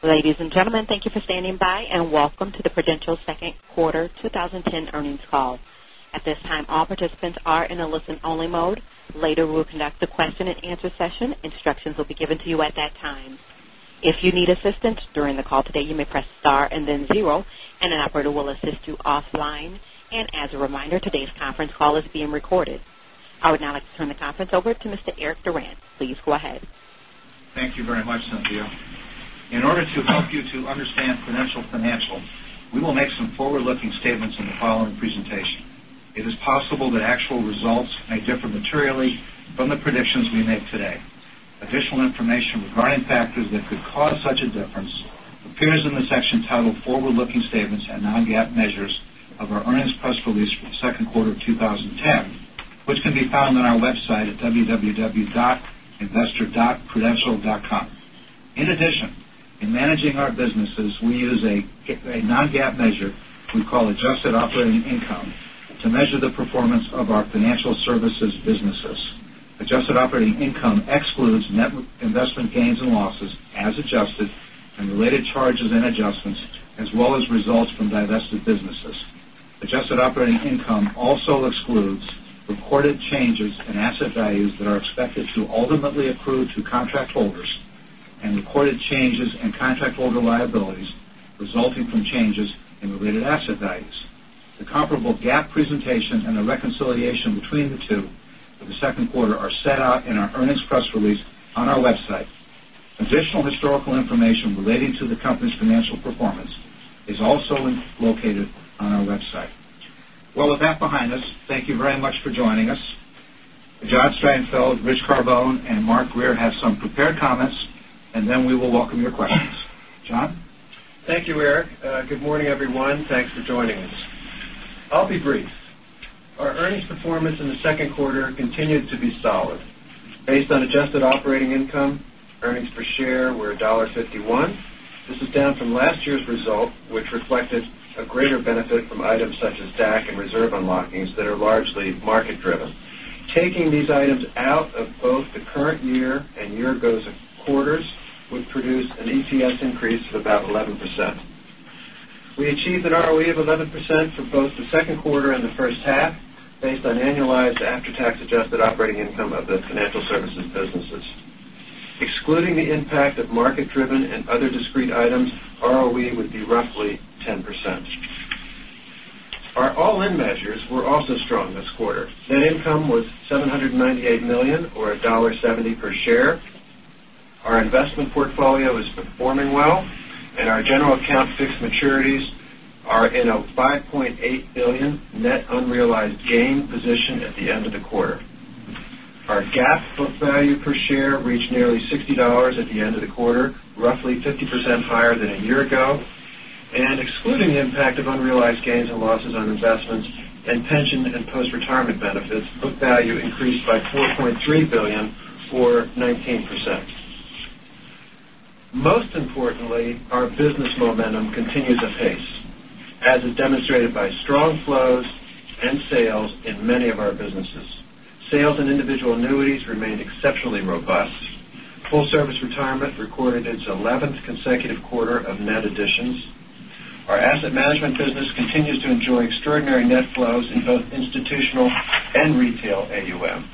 Ladies and gentlemen, thank you for standing by, and welcome to the Prudential second quarter 2010 earnings call. At this time, all participants are in a listen-only mode. Later, we'll conduct a question and answer session. Instructions will be given to you at that time. If you need assistance during the call today, you may press star and then zero, and an operator will assist you offline. As a reminder, today's conference call is being recorded. I would now like to turn the conference over to Mr. Eric Durant. Please go ahead. Thank you very much, Cynthia. In order to help you to understand Prudential Financial, we will make some forward-looking statements in the following presentation. It is possible that actual results may differ materially from the predictions we make today. Additional information regarding factors that could cause such a difference appears in the section titled Forward-Looking Statements and Non-GAAP Measures of our earnings press release for the second quarter of 2010, which can be found on our website at www.investor.prudential.com. In addition, in managing our businesses, we use a non-GAAP measure we call adjusted operating income to measure the performance of our financial services businesses. Adjusted operating income excludes net investment gains and losses as adjusted, and related charges and adjustments, as well as results from divested businesses. Adjusted operating income also excludes recorded changes in asset values that are expected to ultimately accrue to contract holders, and recorded changes in contract holder liabilities resulting from changes in related asset values. The comparable GAAP presentation and the reconciliation between the two for the second quarter are set out in our earnings press release on our website. Additional historical information relating to the company's financial performance is also located on our website. With that behind us, thank you very much for joining us. John Strangfeld, Rich Carbone, and Mark Grier have some prepared comments, and then we will welcome your questions. John? Thank you, Eric. Good morning, everyone. Thanks for joining us. I'll be brief. Our earnings performance in the second quarter continued to be solid. Based on adjusted operating income, earnings per share were $1.51. This is down from last year's result, which reflected a greater benefit from items such as DAC and reserve unlockings that are largely market driven. Taking these items out of both the current year and year ago quarters would produce an EPS increase of about 11%. We achieved an ROE of 11% for both the second quarter and the first half based on annualized after-tax adjusted operating income of the financial services businesses. Excluding the impact of market driven and other discrete items, ROE would be roughly 10%. Our all-in measures were also strong this quarter. Net income was $798 million, or $1.70 per share. Our investment portfolio is performing well, and our general account fixed maturities are in a $5.8 billion net unrealized gain position at the end of the quarter. Our GAAP book value per share reached nearly $60 at the end of the quarter, roughly 50% higher than a year ago. Excluding the impact of unrealized gains and losses on investments in pension and post-retirement benefits, book value increased by $4.3 billion, or 19%. Most importantly, our business momentum continues apace, as is demonstrated by strong flows and sales in many of our businesses. Sales and individual annuities remained exceptionally robust. Full service retirement recorded its 11th consecutive quarter of net additions. Our asset management business continues to enjoy extraordinary net flows in both institutional and retail AUM.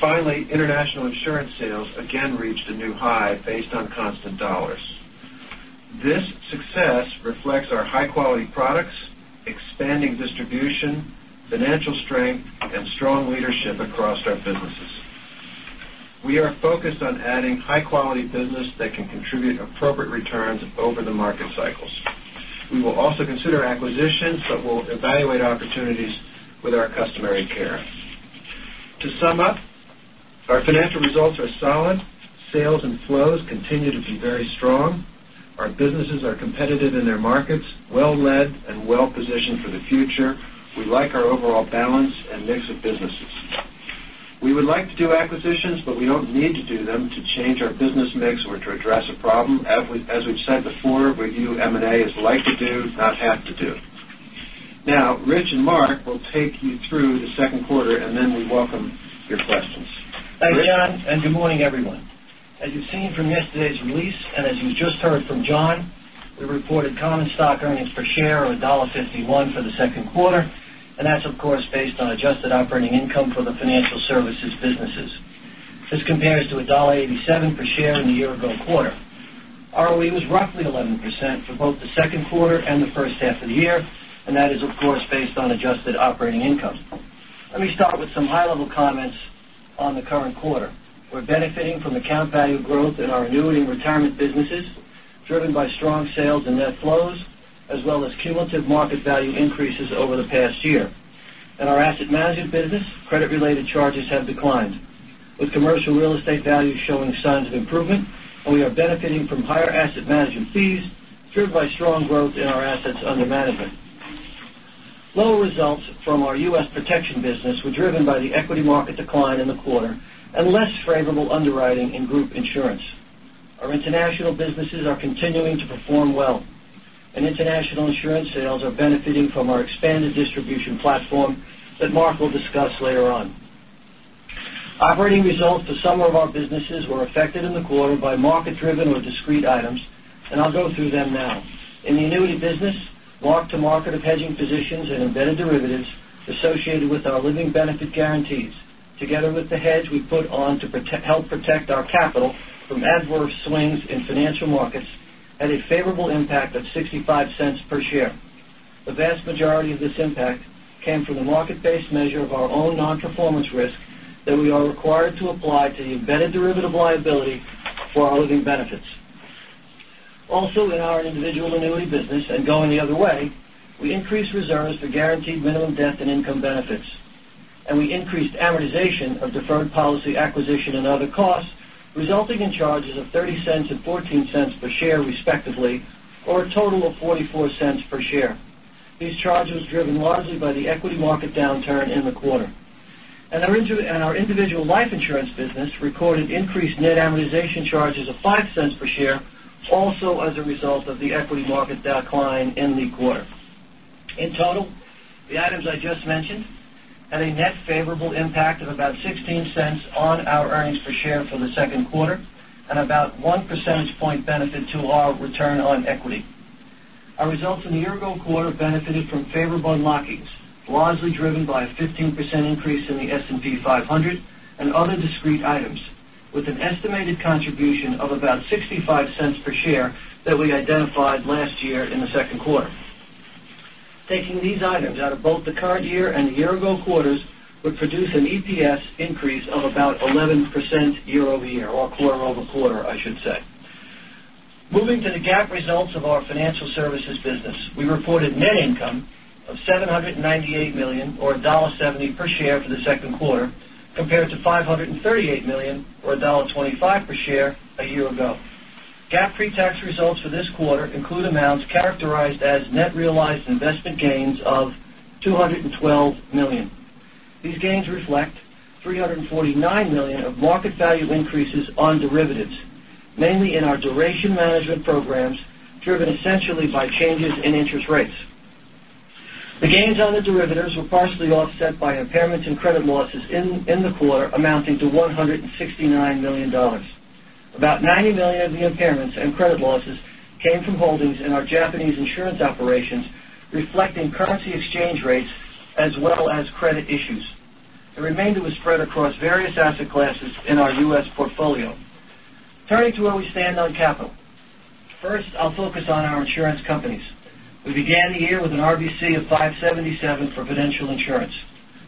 Finally, international insurance sales again reached a new high based on constant dollars. This success reflects our high-quality products, expanding distribution, financial strength, and strong leadership across our businesses. We are focused on adding high quality business that can contribute appropriate returns over the market cycles. We will also consider acquisitions, but we'll evaluate opportunities with our customary care. To sum up, our financial results are solid. Sales and flows continue to be very strong. Our businesses are competitive in their markets, well-led, and well-positioned for the future. We like our overall balance and mix of businesses. We would like to do acquisitions, but we don't need to do them to change our business mix or to address a problem. As we've said before, we view M&A as like to do, not have to do. Rich and Mark will take you through the second quarter, and then we welcome your questions. Rich? Thanks, John, and good morning, everyone. As you've seen from yesterday's release, and as you just heard from John, we reported common stock earnings per share of $1.51 for the second quarter, and that's of course based on adjusted operating income for the financial services businesses. This compares to $1.87 per share in the year-ago quarter. ROE was roughly 11% for both the second quarter and the first half of the year, and that is, of course, based on adjusted operating income. Let me start with some high-level comments on the current quarter. We're benefiting from account value growth in our annuity retirement businesses, driven by strong sales and net flows, as well as cumulative market value increases over the past year. In our asset management business, credit-related charges have declined. With commercial real estate values showing signs of improvement, and we are benefiting from higher asset management fees driven by strong growth in our assets under management. Lower results from our U.S. protection business were driven by the equity market decline in the quarter and less favorable underwriting in group insurance. Our international businesses are continuing to perform well, and international insurance sales are benefiting from our expanded distribution platform that Mark will discuss later on. Operating results for some of our businesses were affected in the quarter by market-driven or discrete items, and I'll go through them now. In the annuity business, mark-to-market of hedging positions and embedded derivatives associated with our living benefit guarantees, together with the hedge we put on to help protect our capital from adverse swings in financial markets, had a favorable impact of $0.65 per share. The vast majority of this impact came from the market-based measure of our own non-performance risk that we are required to apply to the embedded derivative liability for our living benefits. Also in our individual annuity business and going the other way, we increased reserves for guaranteed minimum death and income benefits, and we increased amortization of deferred policy acquisition and other costs, resulting in charges of $0.30 and $0.14 per share, respectively, or a total of $0.44 per share. These charges were driven largely by the equity market downturn in the quarter. Our individual life insurance business recorded increased net amortization charges of $0.05 per share, also as a result of the equity market decline in the quarter. In total, the items I just mentioned had a net favorable impact of about $0.16 on our earnings per share for the second quarter and about one percentage point benefit to our return on equity. Our results in the year-ago quarter benefited from favorable unlockings, largely driven by a 15% increase in the S&P 500 and other discrete items, with an estimated contribution of about $0.65 per share that we identified last year in the second quarter. Taking these items out of both the current year and the year-ago quarters would produce an EPS increase of about 11% year-over-year, or quarter-over-quarter, I should say. Moving to the GAAP results of our financial services business, we reported net income of $798 million, or $1.70 per share for the second quarter, compared to $538 million, or $1.25 per share a year ago. GAAP pre-tax results for this quarter include amounts characterized as net realized investment gains of $212 million. These gains reflect $349 million of market value increases on derivatives, mainly in our duration management programs, driven essentially by changes in interest rates. The gains on the derivatives were partially offset by impairments and credit losses in the quarter amounting to $169 million. About $90 million of the impairments and credit losses came from holdings in our Japanese insurance operations, reflecting currency exchange rates as well as credit issues. The remainder was spread across various asset classes in our U.S. portfolio. Turning to where we stand on capital. First, I'll focus on our insurance companies. We began the year with an RBC of 577 for Prudential Insurance.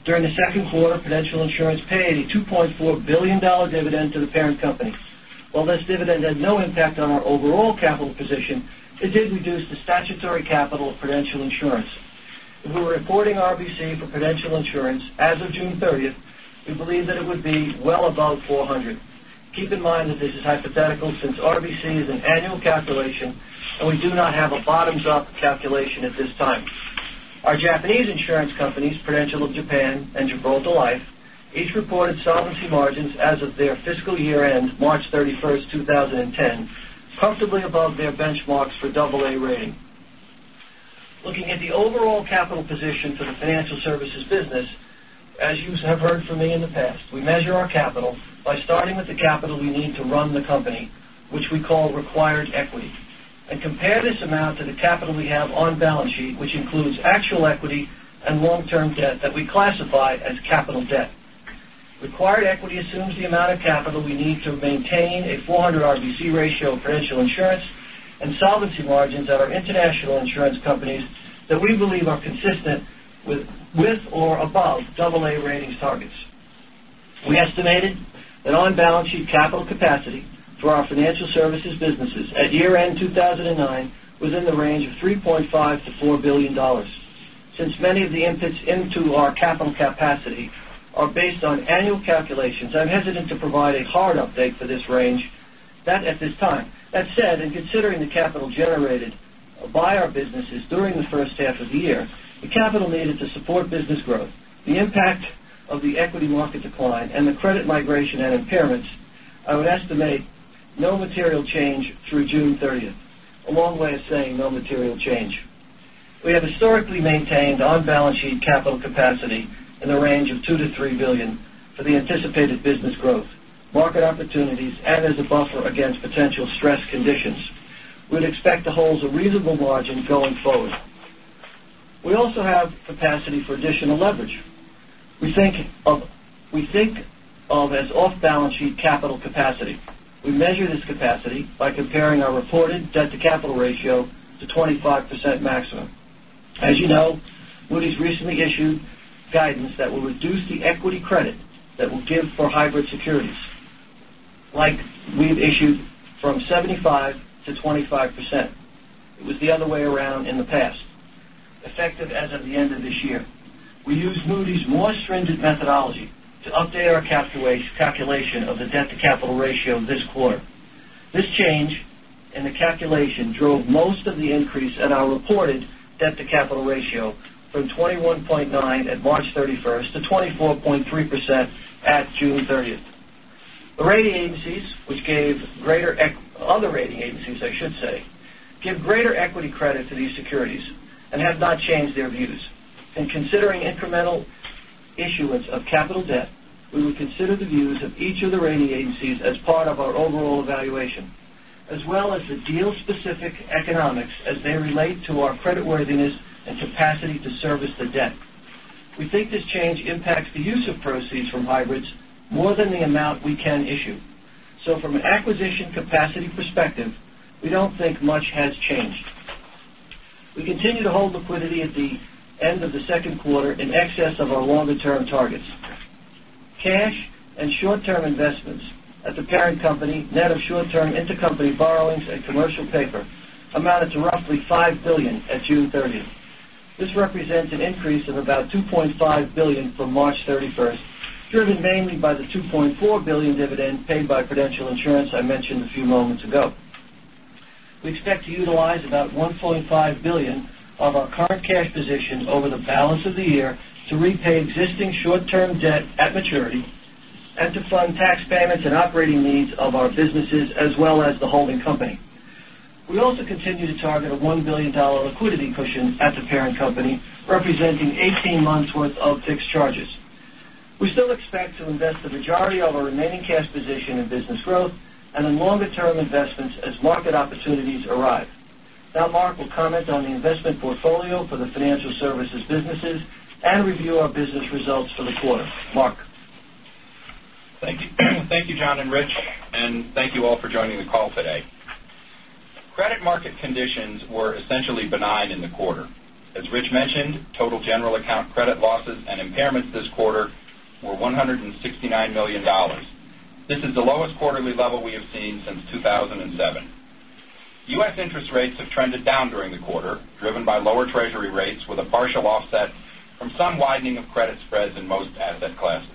During the second quarter, Prudential Insurance paid a $2.4 billion dividend to the parent company. While this dividend had no impact on our overall capital position, it did reduce the statutory capital of Prudential Insurance. If we were reporting RBC for Prudential Insurance as of June 30th, we believe that it would be well above 400. Keep in mind that this is hypothetical since RBC is an annual calculation, and we do not have a bottoms-up calculation at this time. Our Japanese insurance companies, Prudential of Japan and Gibraltar Life, each reported solvency margins as of their fiscal year-end, March 31st, 2010, comfortably above their benchmarks for AA rating. Looking at the overall capital position for the financial services business, as you have heard from me in the past, we measure our capital by starting with the capital we need to run the company, which we call required equity, and compare this amount to the capital we have on balance sheet, which includes actual equity and long-term debt that we classify as capital debt. Required equity assumes the amount of capital we need to maintain a 400 RBC ratio of Prudential Insurance and solvency margins at our international insurance companies that we believe are consistent with or above AA ratings targets. We estimated that on-balance sheet capital capacity for our financial services businesses at year-end 2009 was in the range of $3.5 billion to $4 billion. Since many of the inputs into our capital capacity are based on annual calculations, I am hesitant to provide a hard update for this range at this time. That said, in considering the capital generated by our businesses during the first half of the year, the capital needed to support business growth, the impact of the equity market decline, and the credit migration and impairments, I would estimate no material change through June 30th. A long way of saying no material change. We have historically maintained on-balance sheet capital capacity in the range of $2 billion to $3 billion for the anticipated business growth, market opportunities, and as a buffer against potential stress conditions. We would expect to hold a reasonable margin going forward. We also have capacity for additional leverage we think of as off-balance sheet capital capacity. We measure this capacity by comparing our reported debt-to-capital ratio to 25% maximum. As you know, Moody's recently issued guidance that will reduce the equity credit that we give for hybrid securities, like we have issued from 75% to 25%. It was the other way around in the past, effective as of the end of this year. We used Moody's more stringent methodology to update our calculation of the debt-to-capital ratio this quarter. This change in the calculation drove most of the increase in our reported debt-to-capital ratio from 21.9% at March 31st to 24.3% at June 30th. The rating agencies, other rating agencies, I should say, give greater equity credit to these securities and have not changed their views. In considering incremental issuance of capital debt, we would consider the views of each of the rating agencies as part of our overall evaluation, as well as the deal-specific economics as they relate to our creditworthiness and capacity to service the debt. We think this change impacts the use of proceeds from hybrids more than the amount we can issue. From an acquisition capacity perspective, we do not think much has changed. We continue to hold liquidity at the end of the second quarter in excess of our longer-term targets. Cash and short-term investments at the parent company, net of short-term intercompany borrowings and commercial paper, amounted to roughly $5 billion at June 30th. This represents an increase of about $2.5 billion from March 31st, driven mainly by the $2.4 billion dividend paid by Prudential Insurance I mentioned a few moments ago. We expect to utilize about $1.5 billion of our current cash position over the balance of the year to repay existing short-term debt at maturity and to fund tax payments and operating needs of our businesses, as well as the holding company. We also continue to target a $1 billion liquidity cushion at the parent company, representing 18 months worth of fixed charges. We still expect to invest the majority of our remaining cash position in business growth and in longer-term investments as market opportunities arrive. Now Mark will comment on the investment portfolio for the financial services businesses and review our business results for the quarter. Mark? Thank you. Thank you, John and Rich, and thank you all for joining the call today. Credit market conditions were essentially benign in the quarter. As Rich mentioned, total general account credit losses and impairments this quarter were $169 million. This is the lowest quarterly level we have seen since 2007. U.S. interest rates have trended down during the quarter, driven by lower Treasury rates with a partial offset from some widening of credit spreads in most asset classes.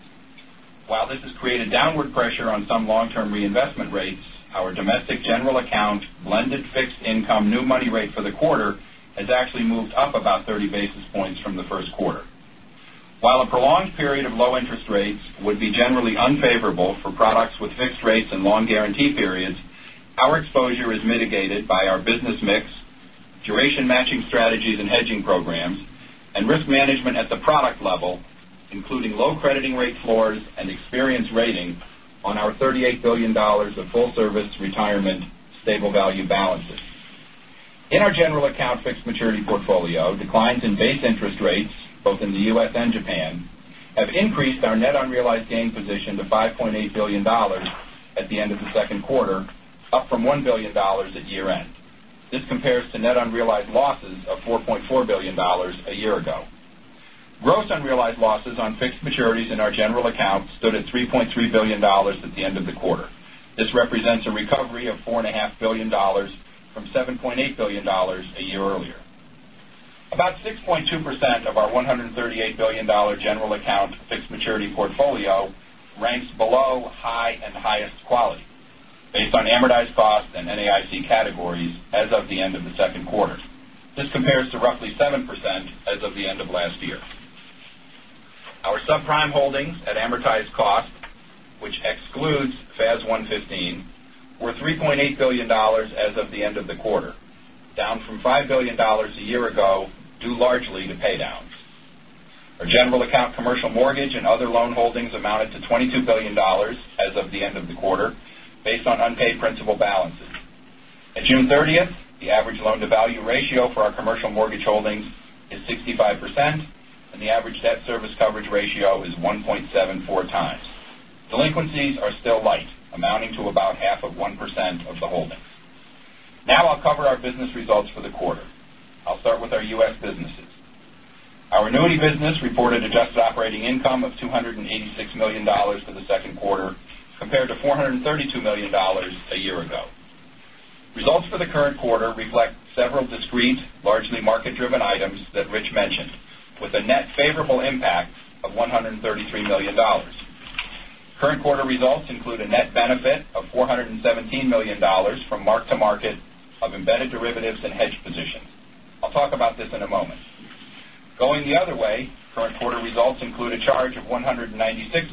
While this has created downward pressure on some long-term reinvestment rates, our domestic general account blended fixed income new money rate for the quarter has actually moved up about 30 basis points from the first quarter. While a prolonged period of low interest rates would be generally unfavorable for products with fixed rates and long guarantee periods, our exposure is mitigated by our business mix, duration matching strategies and hedging programs, and risk management at the product level, including low crediting rate floors and experience rating on our $38 billion of full-service retirement stable value balances. In our general account fixed maturity portfolio, declines in base interest rates, both in the U.S. and Japan, have increased our net unrealized gain position to $5.8 billion at the end of the second quarter, up from $1 billion at year-end. This compares to net unrealized losses of $4.4 billion a year ago. Gross unrealized losses on fixed maturities in our general account stood at $3.3 billion at the end of the quarter. This represents a recovery of $4.5 billion from $7.8 billion a year earlier. About 6.2% of our $138 billion general account fixed maturity portfolio ranks below high and highest quality based on amortized cost and NAIC categories as of the end of the second quarter. This compares to roughly 7% as of the end of last year. Our subprime holdings at amortized cost, which excludes FAS 115, were $3.8 billion as of the end of the quarter, down from $5 billion a year ago, due largely to pay downs. Our general account commercial mortgage and other loan holdings amounted to $22 billion as of the end of the quarter, based on unpaid principal balances. At June 30th, the average loan-to-value ratio for our commercial mortgage holdings is 65%, and the average debt service coverage ratio is 1.74 times. Delinquencies are still light, amounting to about half of 1% of the holdings. Now I'll cover our business results for the quarter. I'll start with our U.S. businesses. Our annuity business reported adjusted operating income of $286 million for the second quarter, compared to $432 million a year ago. Results for the current quarter reflect several discrete, largely market-driven items that Rich mentioned, with a net favorable impact of $133 million. Current quarter results include a net benefit of $417 million from mark-to-market of embedded derivatives and hedge positions. I'll talk about this in a moment. Going the other way, current quarter results include a charge of $196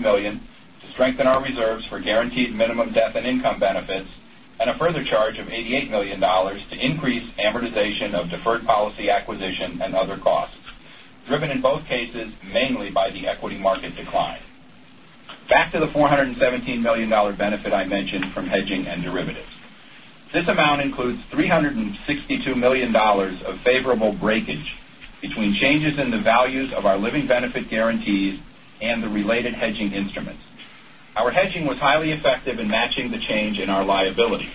million to strengthen our reserves for guaranteed minimum death and income benefits, and a further charge of $88 million to increase amortization of deferred policy acquisition and other costs, driven in both cases mainly by the equity market decline. Back to the $417 million benefit I mentioned from hedging and derivatives. This amount includes $362 million of favorable breakage between changes in the values of our living benefit guarantees and the related hedging instruments. Our hedging was highly effective in matching the change in our liability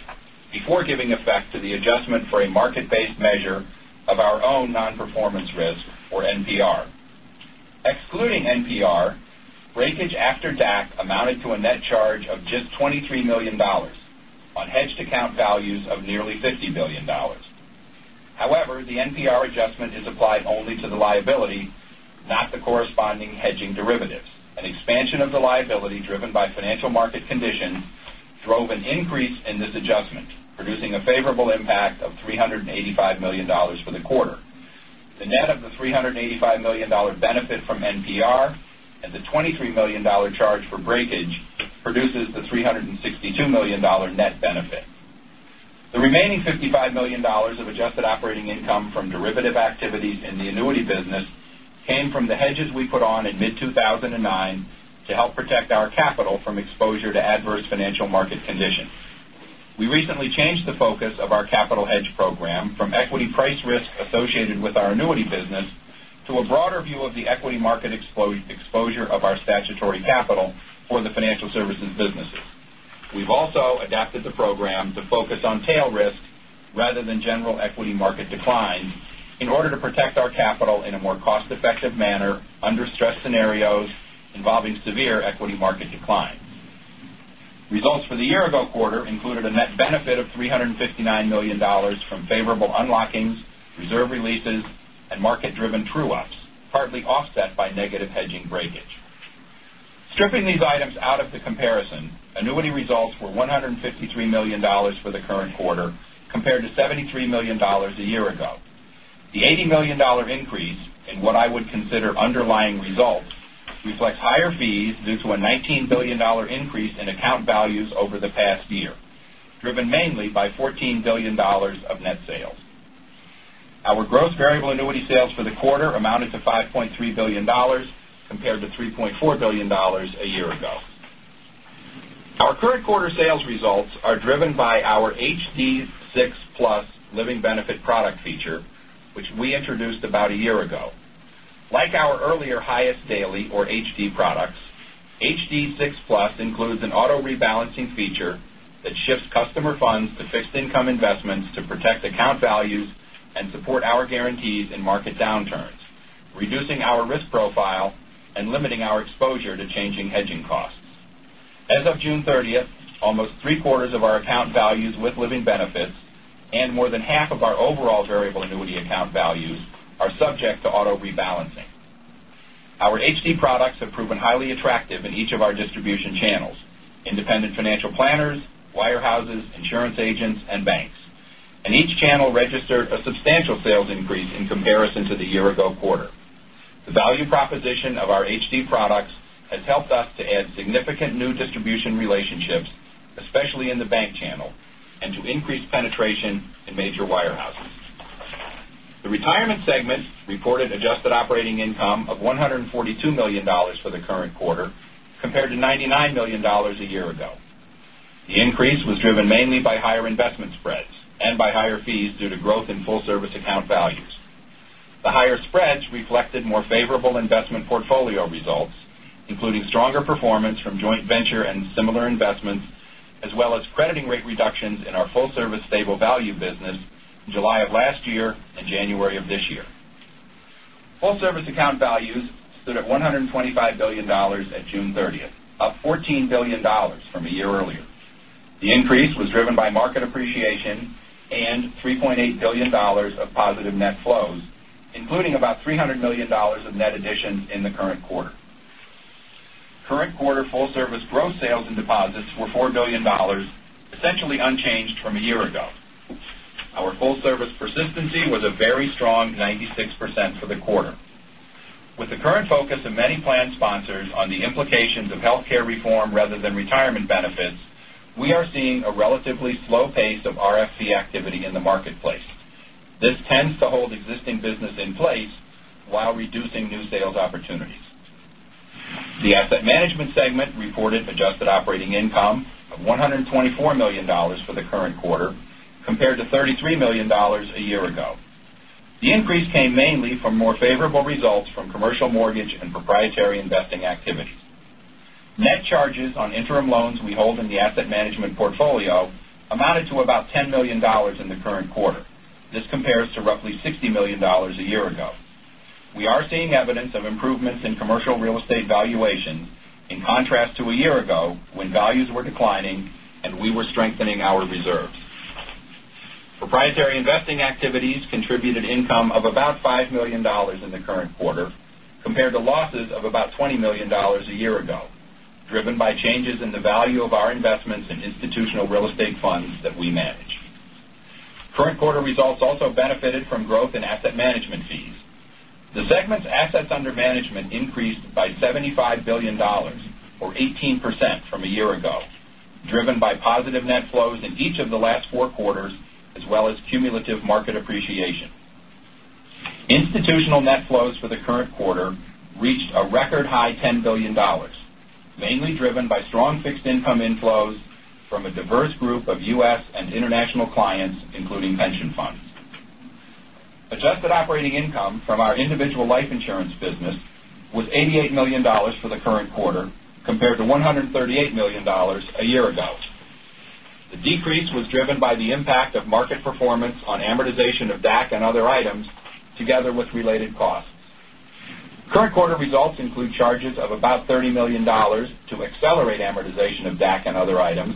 before giving effect to the adjustment for a market-based measure of our own non-performance risk or NPR. Excluding NPR, breakage after DAC amounted to a net charge of just $23 million on hedged account values of nearly $50 billion. However, the NPR adjustment is applied only to the liability, not the corresponding hedging derivatives. An expansion of the liability driven by financial market conditions drove an increase in this adjustment, producing a favorable impact of $385 million for the quarter. The net of the $385 million benefit from NPR and the $23 million charge for breakage produces the $362 million net benefit. The remaining $55 million of adjusted operating income from derivative activities in the annuity business came from the hedges we put on in mid-2009 to help protect our capital from exposure to adverse financial market conditions. We recently changed the focus of our capital hedge program from equity price risk associated with our annuity business to a broader view of the equity market exposure of our statutory capital for the financial services businesses. We've also adapted the program to focus on tail risks rather than general equity market declines in order to protect our capital in a more cost-effective manner under stress scenarios involving severe equity market declines. Results for the year ago quarter included a net benefit of $359 million from favorable unlockings, reserve releases, and market-driven true-ups, partly offset by negative hedging breakage. Stripping these items out of the comparison, annuity results were $153 million for the current quarter, compared to $73 million a year ago. The $80 million increase in what I would consider underlying results reflects higher fees due to a $19 billion increase in account values over the past year, driven mainly by $14 billion of net sales. Our gross variable annuity sales for the quarter amounted to $5.3 billion, compared to $3.4 billion a year ago. Our current quarter sales results are driven by our HD6+ living benefit product feature, which we introduced about a year ago. Like our earlier Highest Daily or HD products, HD6+ includes an auto-rebalancing feature that shifts customer funds to fixed income investments to protect account values and support our guarantees in market downturns, reducing our risk profile and limiting our exposure to changing hedging costs. As of June 30th, almost three-quarters of our account values with living benefits and more than half of our overall variable annuity account values are subject to auto rebalancing. Our HD products have proven highly attractive in each of our distribution channels, independent financial planners, wirehouses, insurance agents, and banks. Each channel registered a substantial sales increase in comparison to the year ago quarter. The value proposition of our HD products has helped us to add significant new distribution relationships, especially in the bank channel, and to increase penetration in major wirehouses. The retirement segment reported adjusted operating income of $142 million for the current quarter, compared to $99 million a year ago. The increase was driven mainly by higher investment spreads and by higher fees due to growth in full service account values. The higher spreads reflected more favorable investment portfolio results, including stronger performance from joint venture and similar investments, as well as crediting rate reductions in our full service stable value business in July of last year and January of this year. Full service account values stood at $125 billion at June 30th, up $14 billion from a year earlier. The increase was driven by market appreciation and $3.8 billion of positive net flows, including about $300 million of net additions in the current quarter. Current quarter full service gross sales and deposits were $4 billion, essentially unchanged from a year ago. Our full service persistency was a very strong 96% for the quarter. With the current focus of many plan sponsors on the implications of healthcare reform rather than retirement benefits, we are seeing a relatively slow pace of RFP activity in the marketplace. This tends to hold existing business in place while reducing new sales opportunities. The asset management segment reported adjusted operating income of $124 million for the current quarter, compared to $33 million a year ago. The increase came mainly from more favorable results from commercial mortgage and proprietary investing activities. Net charges on interim loans we hold in the asset management portfolio amounted to about $10 million in the current quarter. This compares to roughly $60 million a year ago. We are seeing evidence of improvements in commercial real estate valuations, in contrast to a year ago when values were declining and we were strengthening our reserves. Proprietary investing activities contributed income of about $5 million in the current quarter, compared to losses of about $20 million a year ago, driven by changes in the value of our investments in institutional real estate funds that we manage. Current quarter results also benefited from growth in asset management fees. The segment's assets under management increased by $75 billion, or 18%, from a year ago, driven by positive net flows in each of the last four quarters, as well as cumulative market appreciation. Institutional net flows for the current quarter reached a record high $10 billion, mainly driven by strong fixed income inflows from a diverse group of U.S. and international clients, including pension funds. Adjusted operating income from our individual life insurance business was $88 million for the current quarter, compared to $138 million a year ago. The decrease was driven by the impact of market performance on amortization of DAC and other items, together with related costs. Current quarter results include charges of about $30 million to accelerate amortization of DAC and other items,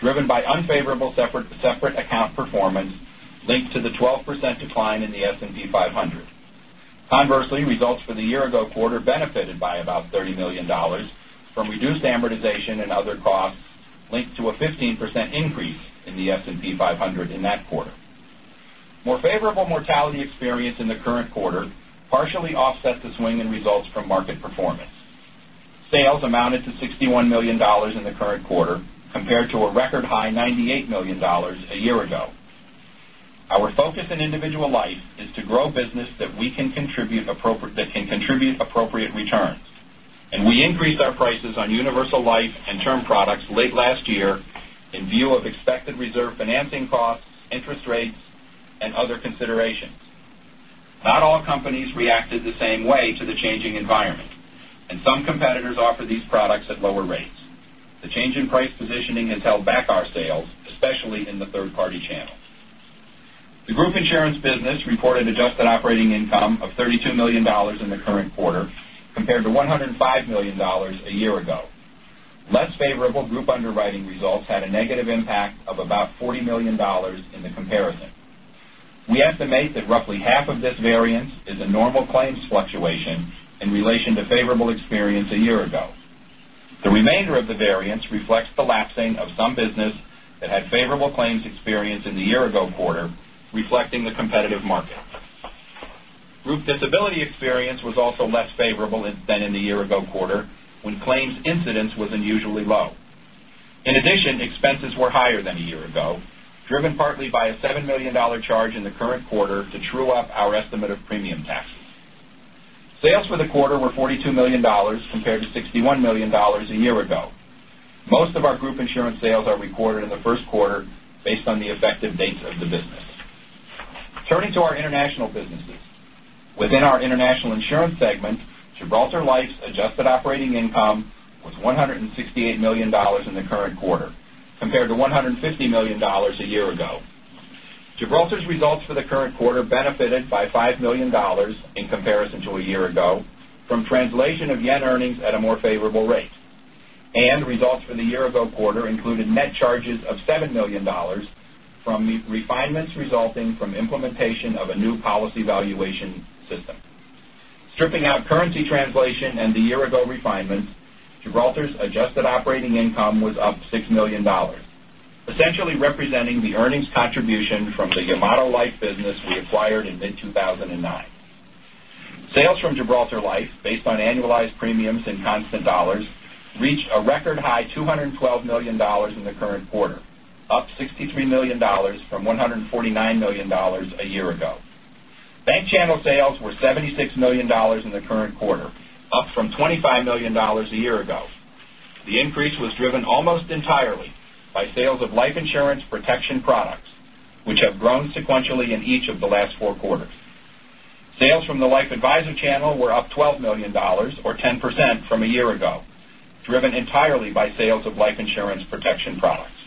driven by unfavorable separate account performance linked to the 12% decline in the S&P 500. Conversely, results for the year-ago quarter benefited by about $30 million from reduced amortization and other costs linked to a 15% increase in the S&P 500 in that quarter. More favorable mortality experience in the current quarter partially offset the swing in results from market performance. Sales amounted to $61 million in the current quarter, compared to a record high $98 million a year ago. Our focus in individual life is to grow business that can contribute appropriate returns, and we increased our prices on universal life and term products late last year in view of expected reserve financing costs, interest rates, and other considerations. Not all companies reacted the same way to the changing environment, some competitors offer these products at lower rates. The change in price positioning has held back our sales, especially in the third-party channels. The group insurance business reported adjusted operating income of $32 million in the current quarter, compared to $105 million a year ago. Less favorable group underwriting results had a negative impact of about $40 million in the comparison. We estimate that roughly half of this variance is a normal claims fluctuation in relation to favorable experience a year ago. The remainder of the variance reflects the lapsing of some business that had favorable claims experience in the year-ago quarter, reflecting the competitive market. Group disability experience was also less favorable than in the year-ago quarter, when claims incidence was unusually low. Expenses were higher than a year ago, driven partly by a $7 million charge in the current quarter to true up our estimate of premium taxes. Sales for the quarter were $42 million, compared to $61 million a year ago. Most of our group insurance sales are recorded in the first quarter based on the effective dates of the business. Turning to our international businesses. Within our international insurance segment, Gibraltar Life's adjusted operating income was $168 million in the current quarter, compared to $150 million a year ago. Gibraltar's results for the current quarter benefited by $5 million in comparison to a year ago from translation of JPY earnings at a more favorable rate, and results for the year-ago quarter included net charges of $7 million from refinements resulting from implementation of a new policy valuation system. Stripping out currency translation and the year-ago refinements, Gibraltar's adjusted operating income was up $6 million, essentially representing the earnings contribution from the Yamato Life business we acquired in mid-2009. Sales from Gibraltar Life, based on annualized premiums in constant dollars, reached a record high $212 million in the current quarter, up $63 million from $149 million a year ago. Bank channel sales were $76 million in the current quarter, up from $25 million a year ago. The increase was driven almost entirely by sales of life insurance protection products, which have grown sequentially in each of the last four quarters. Sales from the life advisor channel were up $12 million, or 10%, from a year ago, driven entirely by sales of life insurance protection products.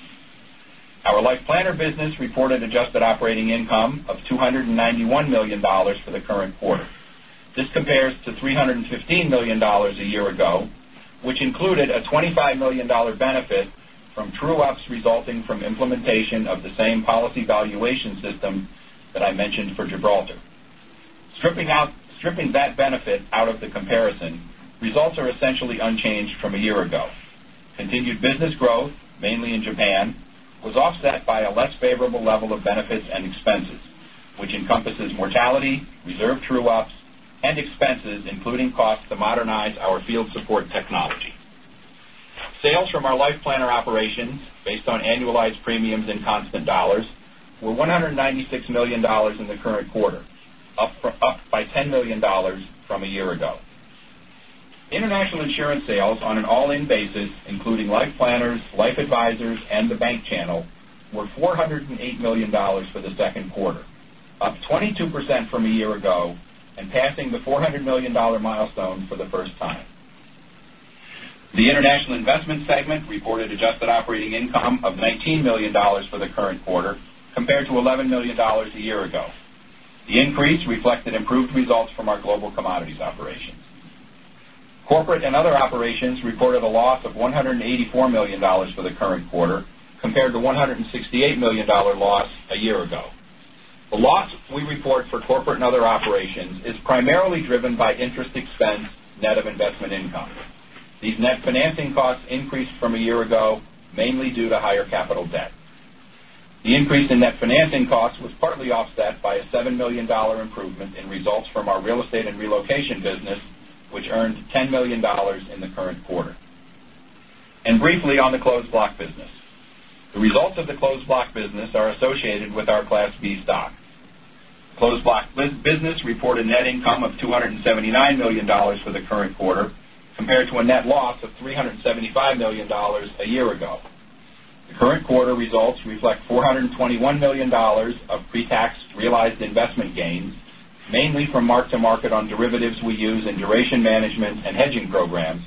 Our Life Planner business reported adjusted operating income of $291 million for the current quarter. This compares to $315 million a year ago, which included a $25 million benefit from true-ups resulting from implementation of the same policy valuation system that I mentioned for Gibraltar. Stripping that benefit out of the comparison, results are essentially unchanged from a year ago. Continued business growth, mainly in Japan, was offset by a less favorable level of benefits and expenses, which encompasses mortality, reserve true-ups, and expenses, including costs to modernize our field support technology. Sales from our Life Planner operations, based on annualized premiums in constant dollars, were $196 million in the current quarter, up by $10 million from a year ago. International insurance sales on an all-in basis, including Life Planners, Prudential Advisors, and the bank channel, were $408 million for the second quarter, up 22% from a year ago and passing the $400 million milestone for the first time. The International Investment segment reported adjusted operating income of $19 million for the current quarter, compared to $11 million a year ago. The increase reflected improved results from our global commodities operations. Corporate and Other Operations reported a loss of $184 million for the current quarter, compared to $168 million loss a year ago. The loss we report for Corporate and Other Operations is primarily driven by interest expense net of investment income. These net financing costs increased from a year ago, mainly due to higher capital debt. The increase in net financing costs was partly offset by a $7 million improvement in results from our real estate and relocation business, which earned $10 million in the current quarter. Briefly on the Closed Block Business. The results of the Closed Block Business are associated with our Class B stock. Closed Block Business reported net income of $279 million for the current quarter, compared to a net loss of $375 million a year ago. The current quarter results reflect $421 million of pre-tax realized investment gains, mainly from mark-to-market on derivatives we use in duration management and hedging programs,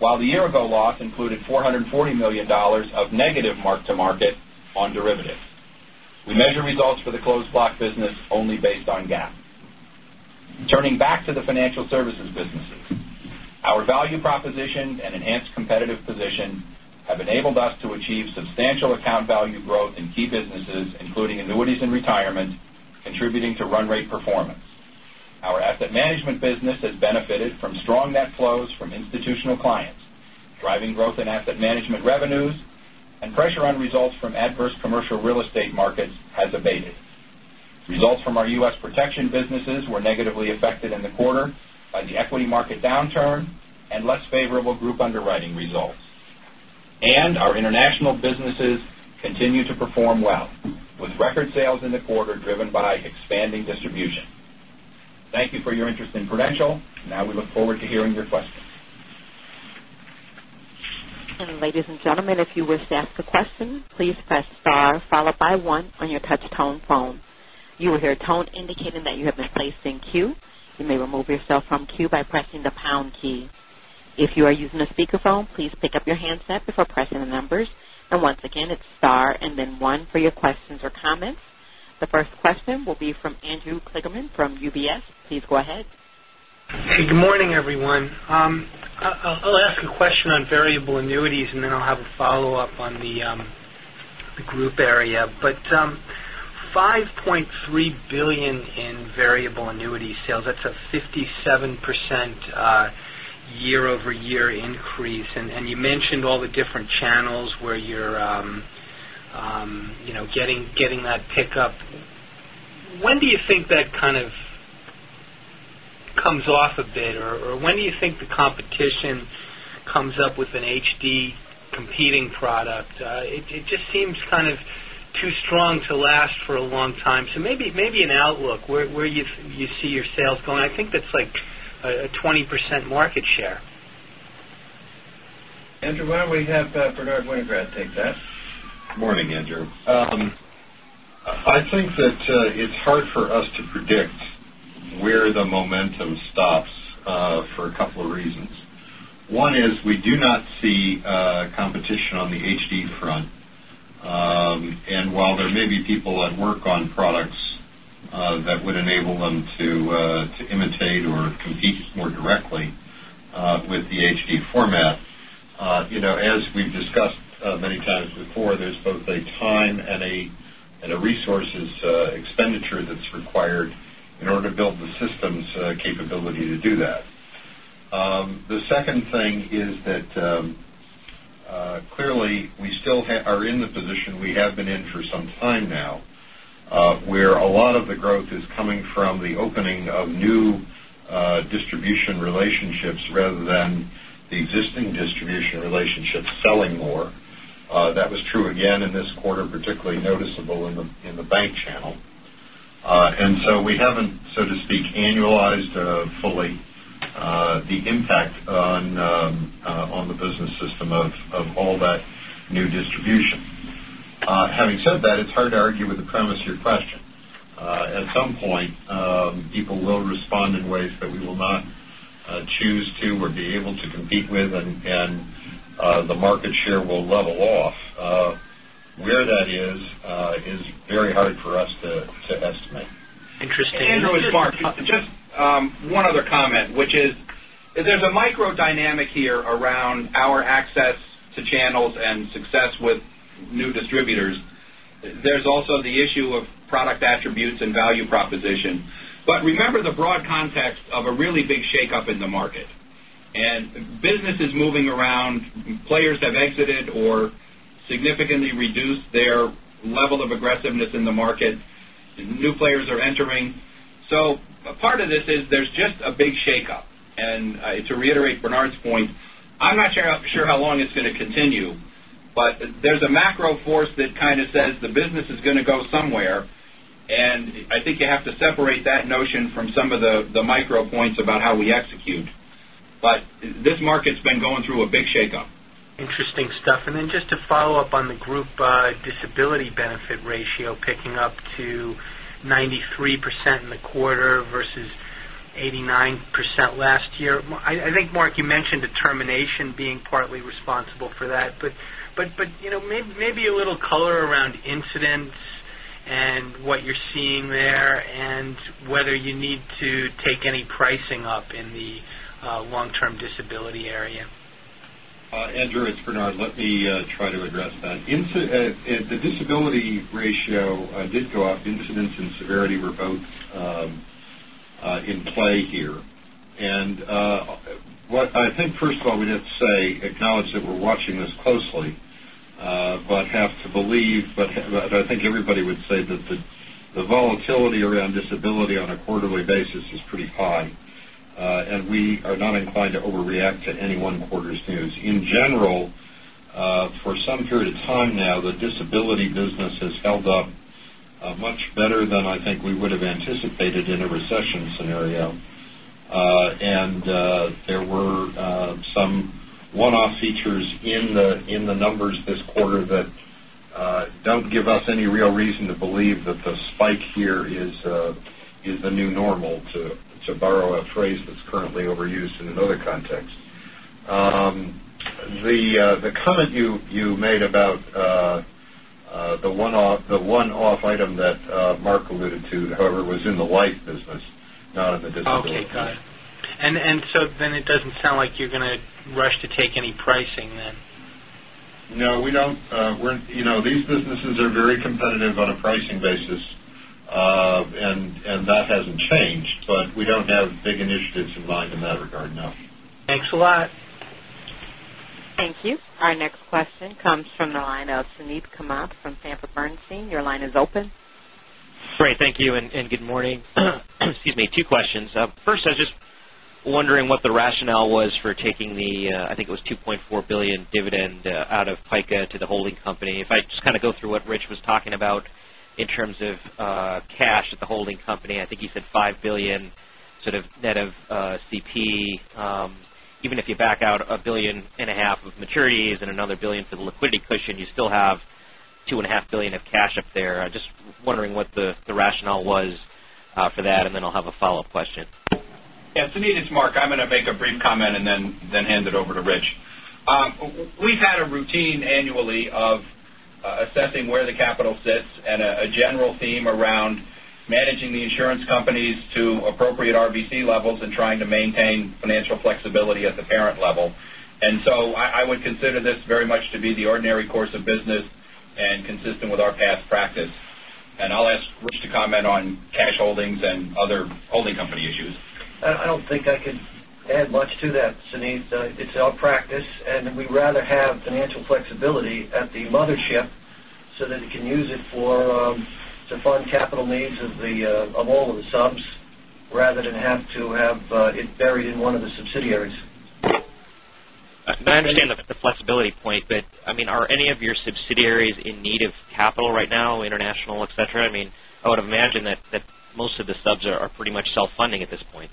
while the year-ago loss included $440 million of negative mark-to-market on derivatives. We measure results for the Closed Block Business only based on GAAP. Turning back to the Financial Services Businesses. Our value proposition and enhanced competitive position have enabled us to achieve substantial account value growth in key businesses, including Annuities and Retirement, contributing to run rate performance. Our Asset Management business has benefited from strong net flows from institutional clients, driving growth in Asset Management revenues, and pressure on results from adverse commercial real estate markets has abated. Results from our U.S. Protection Businesses were negatively affected in the quarter by the equity market downturn and less favorable group underwriting results. Our International Businesses continue to perform well, with record sales in the quarter driven by expanding distribution. Thank you for your interest in Prudential. Now we look forward to hearing your questions. Ladies and gentlemen, if you wish to ask a question, please press star followed by one on your touch-tone phone. You will hear a tone indicating that you have been placed in queue. You may remove yourself from queue by pressing the pound key. If you are using a speakerphone, please pick up your handset before pressing the numbers. Once again, it's star and then one for your questions or comments. The first question will be from Andrew Kligerman from UBS. Please go ahead. Hey, good morning, everyone. I'll ask a question on variable annuities, then I'll have a follow-up on the group area. $5.3 billion in variable annuity sales, that's a 57% year-over-year increase. You mentioned all the different channels where you're getting that pickup. When do you think that kind of comes off a bit, or when do you think the competition comes up with an HD competing product? It just seems kind of too strong to last for a long time. Maybe an outlook where you see your sales going. I think that's like a 20% market share. Andrew, why don't we have Bernard Winograd take that? Morning, Andrew. I think that it's hard for us to predict where the momentum stops for a couple of reasons. One is we do not see competition on the HD front. While there may be people at work on products that would enable them to imitate or compete more directly with the HD format, as we've discussed many times before, there's both a time and a resources expenditure that's required in order to build the system's capability to do that. The second thing is that clearly we still are in the position we have been in for some time now, where a lot of the growth is coming from the opening of new distribution relationships rather than the existing distribution relationships selling more. That was true again in this quarter, particularly noticeable in the bank channel. We haven't, so to speak, annualized fully the impact on the business system of all that new distribution. Having said that, it's hard to argue with the premise of your question. At some point, people will respond in ways that we will not choose to or be able to compete with, and the market share will level off. Where that is very hard for us to estimate. Interesting. Andrew, as far as just one other comment, which is there's a micro dynamic here around our access to channels and success with new distributors. There's also the issue of product attributes and value proposition. Remember the broad context of a really big shakeup in the market, and business is moving around. Players have exited or significantly reduced their level of aggressiveness in the market. New players are entering. Part of this is there's just a big shakeup. To reiterate Bernard's point, I'm not sure how long it's going to continue, but there's a macro force that kind of says the business is going to go somewhere, and I think you have to separate that notion from some of the micro points about how we execute. This market's been going through a big shakeup. Interesting stuff. Just to follow up on the group disability benefit ratio picking up to 93% in the quarter versus 89% last year. I think, Mark, you mentioned a termination being partly responsible for that, but maybe a little color around incidents and what you're seeing there and whether you need to take any pricing up in the long-term disability area. Andrew, it's Bernard. Let me try to address that. The disability ratio did go up. Incidents and severity were both in play here. What I think, first of all, we'd have to say, acknowledge that we're watching this closely, but have to believe, but I think everybody would say that the volatility around disability on a quarterly basis is pretty high. We are not inclined to overreact to any one quarter's news. In general, for some period of time now, the disability business has held up much better than I think we would have anticipated in a recession scenario. There were some one-off features in the numbers this quarter that don't give us any real reason to believe that the spike here is the new normal, to borrow a phrase that's currently overused in another context. The comment you made about The one-off item that Mark alluded to, however, was in the life business, not in the disability. Okay, got it. It doesn't sound like you're going to rush to take any pricing then. No, we don't. These businesses are very competitive on a pricing basis. That hasn't changed. We don't have big initiatives in mind in that regard, no. Thanks a lot. Thank you. Our next question comes from the line of Suneet Kamath from Sanford Bernstein. Your line is open. Great. Thank you, and good morning. Excuse me. Two questions. First, I was just wondering what the rationale was for taking the, I think it was $2.4 billion dividend out of PICA to the holding company. If I just kind of go through what Rich was talking about in terms of cash at the holding company, I think you said $5 billion sort of net of CP. Even if you back out a billion and a half dollars of maturities and another $1 billion for the liquidity cushion, you still have $2.5 billion of cash up there. Just wondering what the rationale was for that, and then I'll have a follow-up question. Yeah, Suneet, it's Mark. I'm going to make a brief comment and then hand it over to Rich. We've had a routine annually of assessing where the capital sits and a general theme around managing the insurance companies to appropriate RBC levels and trying to maintain financial flexibility at the parent level. I would consider this very much to be the ordinary course of business and consistent with our past practice. I'll ask Rich to comment on cash holdings and other holding company issues. I don't think I could add much to that, Suneet. It's our practice, and we'd rather have financial flexibility at the mothership so that it can use it to fund capital needs of all of the subs rather than have to have it buried in one of the subsidiaries. I understand the flexibility point. Are any of your subsidiaries in need of capital right now, international, etc.? I would imagine that most of the subs are pretty much self-funding at this point.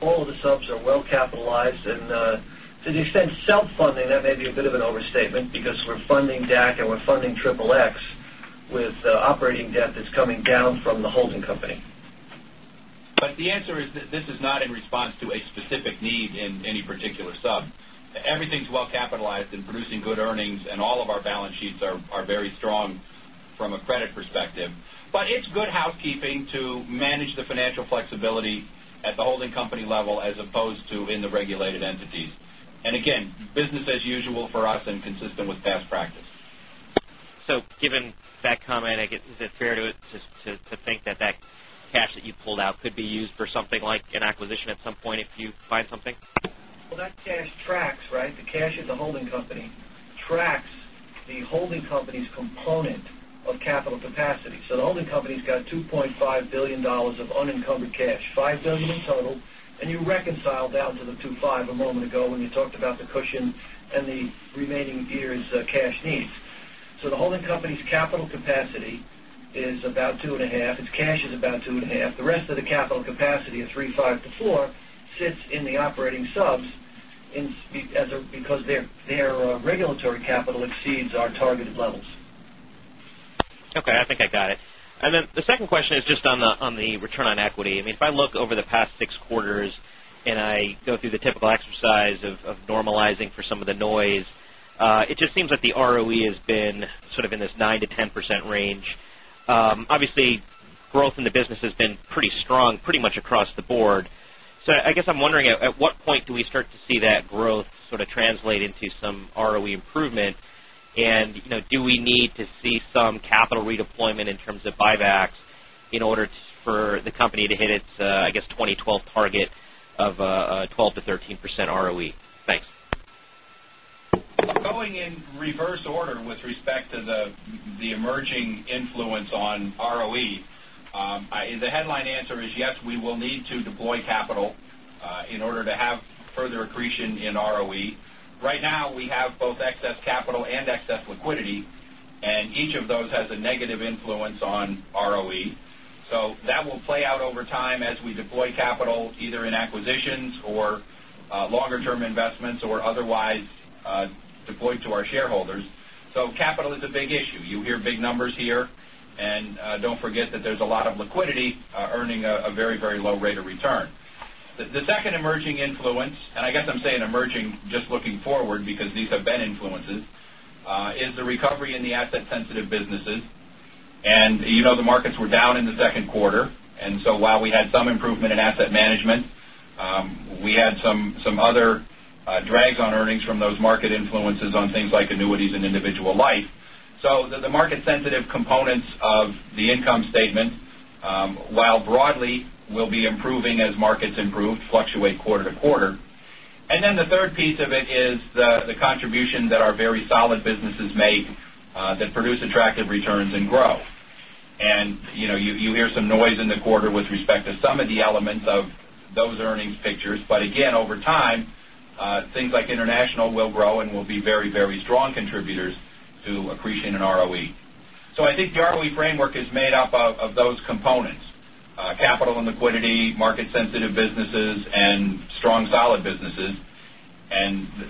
All of the subs are well-capitalized. To the extent self-funding, that may be a bit of an overstatement because we're funding DAC, and we're funding XXX with operating debt that's coming down from the holding company. The answer is, this is not in response to a specific need in any particular sub. Everything's well-capitalized and producing good earnings, and all of our balance sheets are very strong from a credit perspective. It's good housekeeping to manage the financial flexibility at the holding company level as opposed to in the regulated entities. Again, business as usual for us and consistent with best practice. Given that comment, I guess, is it fair to think that cash that you pulled out could be used for something like an acquisition at some point if you find something? Well, that cash tracks, right? The cash at the holding company tracks the holding company's component of capital capacity. The holding company has $2.5 billion of unencumbered cash, $5 billion in total, and you reconciled down to the 2.5 a moment ago when you talked about the cushion and the remaining year's cash needs. The holding company's capital capacity is about 2.5. Its cash is about 2.5. The rest of the capital capacity of 3.5-4 sits in the operating subs because their regulatory capital exceeds our targeted levels. Okay, I think I got it. The second question is just on the return on equity. If I look over the past 6 quarters and I go through the typical exercise of normalizing for some of the noise, it just seems like the ROE has been sort of in this 9%-10% range. Obviously, growth in the business has been pretty strong, pretty much across the board. I guess I'm wondering at what point do we start to see that growth sort of translate into some ROE improvement? Do we need to see some capital redeployment in terms of buybacks in order for the company to hit its, I guess, 2012 target of a 12%-13% ROE? Thanks. Going in reverse order with respect to the emerging influence on ROE, the headline answer is yes, we will need to deploy capital in order to have further accretion in ROE. Right now, we have both excess capital and excess liquidity, and each of those has a negative influence on ROE. That will play out over time as we deploy capital either in acquisitions or longer-term investments or otherwise deploy to our shareholders. Capital is a big issue. You hear big numbers here, and don't forget that there's a lot of liquidity earning a very, very low rate of return. The second emerging influence, and I guess I'm saying emerging just looking forward because these have been influences, is the recovery in the asset-sensitive businesses. You know the markets were down in the second quarter. While we had some improvement in asset management, we had some other drags on earnings from those market influences on things like annuities and individual life. The market-sensitive components of the income statement, while broadly will be improving as markets improve, fluctuate quarter-to-quarter. The third piece of it is the contribution that our very solid businesses make that produce attractive returns and grow. You hear some noise in the quarter with respect to some of the elements of those earnings pictures. Again, over time, things like international will grow and will be very, very strong contributors to accretion in ROE. I think the ROE framework is made up of those components, capital and liquidity, market-sensitive businesses, and strong, solid businesses.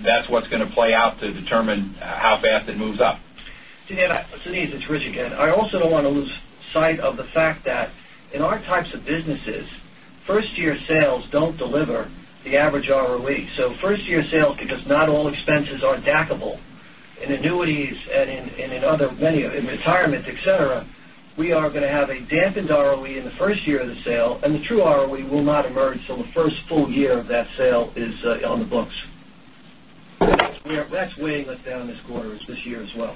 That's what's going to play out to determine how fast it moves up. Suneet, it's Rich again. I also don't want to lose sight of the fact that in our types of businesses, first-year sales don't deliver the average ROE. First-year sales, because not all expenses are DACable in annuities and in retirement, et cetera, we are going to have a dampened ROE in the first year of the sale, and the true ROE will not emerge till the first full year of that sale is on the books. That's weighing us down this quarter, this year as well.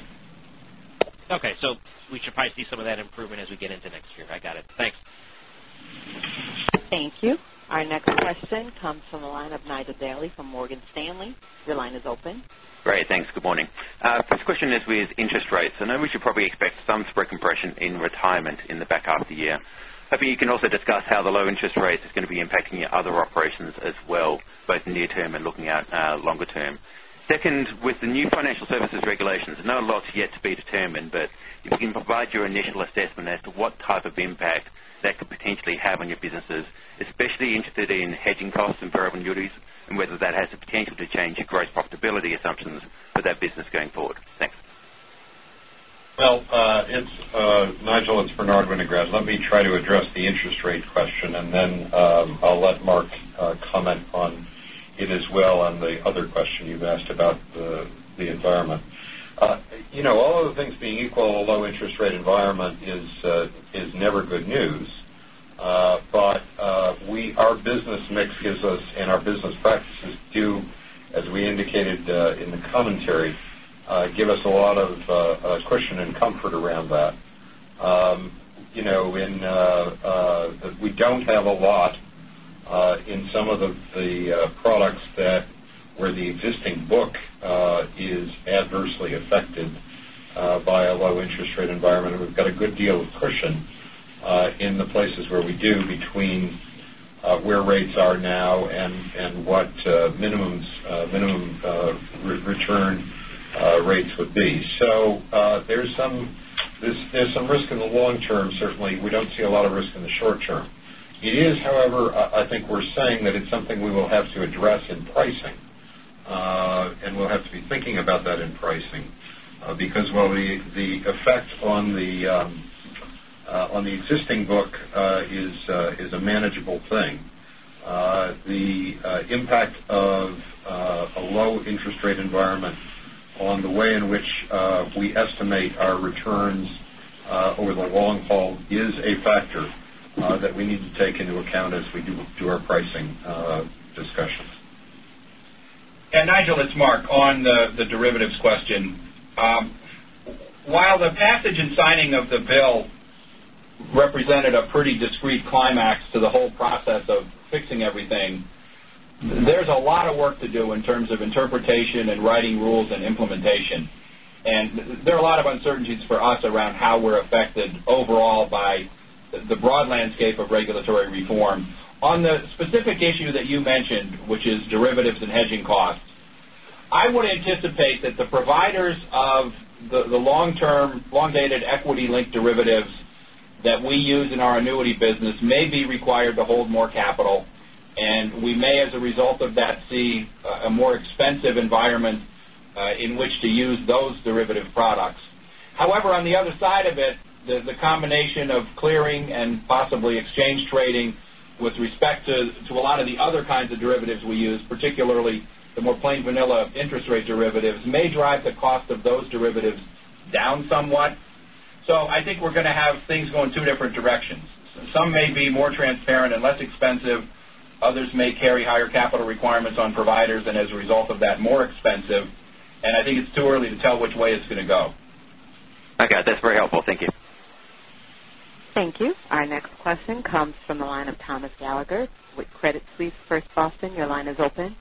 Okay. We should probably see some of that improvement as we get into next year. I got it. Thanks. Thank you. Our next question comes from the line of Nigel Dally from Morgan Stanley. Your line is open. Great. Thanks. Good morning. First question is with interest rates. I know we should probably expect some spread compression in retirement in the back half of the year. Maybe you can also discuss how the low interest rates is going to be impacting your other operations as well, both near term and looking out longer term. Second, with the new financial services regulations, there are now lots yet to be determined, but if you can provide your initial assessment as to what type of impact that could potentially have on your businesses, especially interested in hedging costs and variable annuities and whether that has the potential to change your gross profitability assumptions for that business going forward. Thanks. Nigel, it's Bernard Winograd. Let me try to address the interest rate question, and then I'll let Mark comment on it as well on the other question you've asked about the environment. All other things being equal, a low interest rate environment is never good news. Our business mix gives us, and our business practices do, as we indicated in the commentary, give us a lot of cushion and comfort around that. We don't have a lot in some of the products where the existing book is adversely affected by a low interest rate environment, and we've got a good deal of cushion in the places where we do between where rates are now and what minimum return rates would be. There's some risk in the long term, certainly. We don't see a lot of risk in the short term. It is, however, I think we're saying that it's something we will have to address in pricing. We'll have to be thinking about that in pricing. Because while the effect on the existing book is a manageable thing, the impact of a low interest rate environment on the way in which we estimate our returns over the long haul is a factor that we need to take into account as we do our pricing discussions. Nigel, it's Mark. On the derivatives question. While the passage and signing of the bill represented a pretty discrete climax to the whole process of fixing everything, there's a lot of work to do in terms of interpretation and writing rules and implementation. There are a lot of uncertainties for us around how we're affected overall by the broad landscape of regulatory reform. On the specific issue that you mentioned, which is derivatives and hedging costs, I would anticipate that the providers of the long-dated equity link derivatives that we use in our annuity business may be required to hold more capital, and we may, as a result of that, see a more expensive environment in which to use those derivative products. However, on the other side of it, the combination of clearing and possibly exchange trading with respect to a lot of the other kinds of derivatives we use, particularly the more plain vanilla interest rate derivatives, may drive the cost of those derivatives down somewhat. I think we're going to have things going two different directions. Some may be more transparent and less expensive. Others may carry higher capital requirements on providers and as a result of that, more expensive. I think it's too early to tell which way it's going to go. I got it. That's very helpful. Thank you. Thank you. Our next question comes from the line of Thomas Gallagher with Credit Suisse First Boston. Your line is open.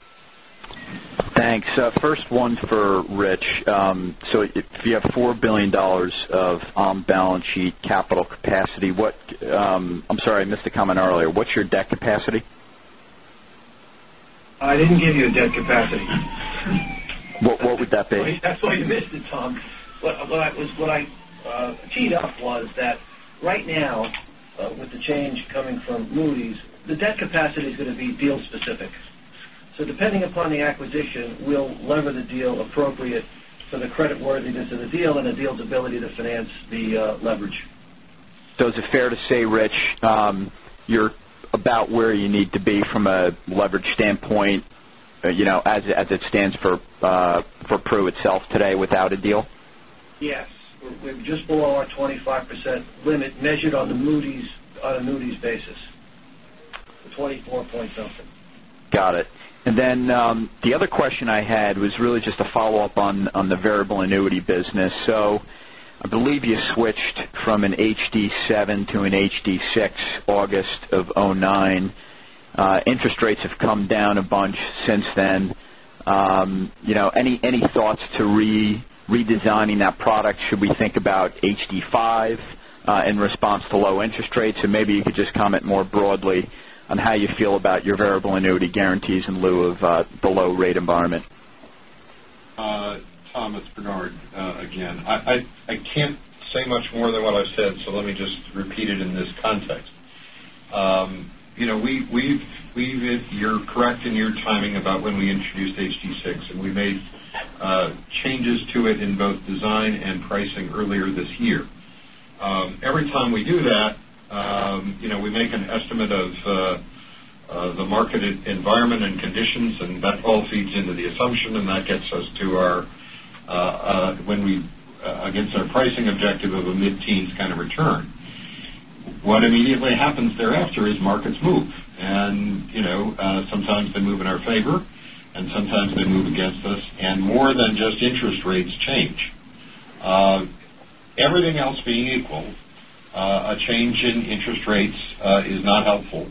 Thanks. First one for Rich. If you have $4 billion of on-balance-sheet capital capacity, I'm sorry, I missed the comment earlier. What's your debt capacity? I didn't give you a debt capacity. What would that be? That's why you missed it, Tom. What I teed up was that right now, with the change coming from Moody's, the debt capacity is going to be deal specific. Depending upon the acquisition, we'll lever the deal appropriate for the creditworthiness of the deal and the deal's ability to finance the leverage. Is it fair to say, Rich, you're about where you need to be from a leverage standpoint as it stands for Pru itself today without a deal? Yes. We're just below our 25% limit measured on a Moody's basis. 24-point-something. Got it. The other question I had was really just a follow-up on the variable annuity business. I believe you switched from an HD7 to an HD6 August of 2009. Interest rates have come down a bunch since then. Any thoughts to redesigning that product? Should we think about HD5 in response to low interest rates? Maybe you could just comment more broadly on how you feel about your variable annuity guarantees in lieu of the low rate environment. Thomas, Bernard again. I can't say much more than what I've said, let me just repeat it in this context. You're correct in your timing about when we introduced HD6, we made changes to it in both design and pricing earlier this year. Every time we do that we make an estimate of the market environment and conditions, that all feeds into the assumption, that gets us against our pricing objective of a mid-teens kind of return. What immediately happens thereafter is markets move. Sometimes they move in our favor and sometimes they move against us, more than just interest rates change. Everything else being equal, a change in interest rates is not helpful.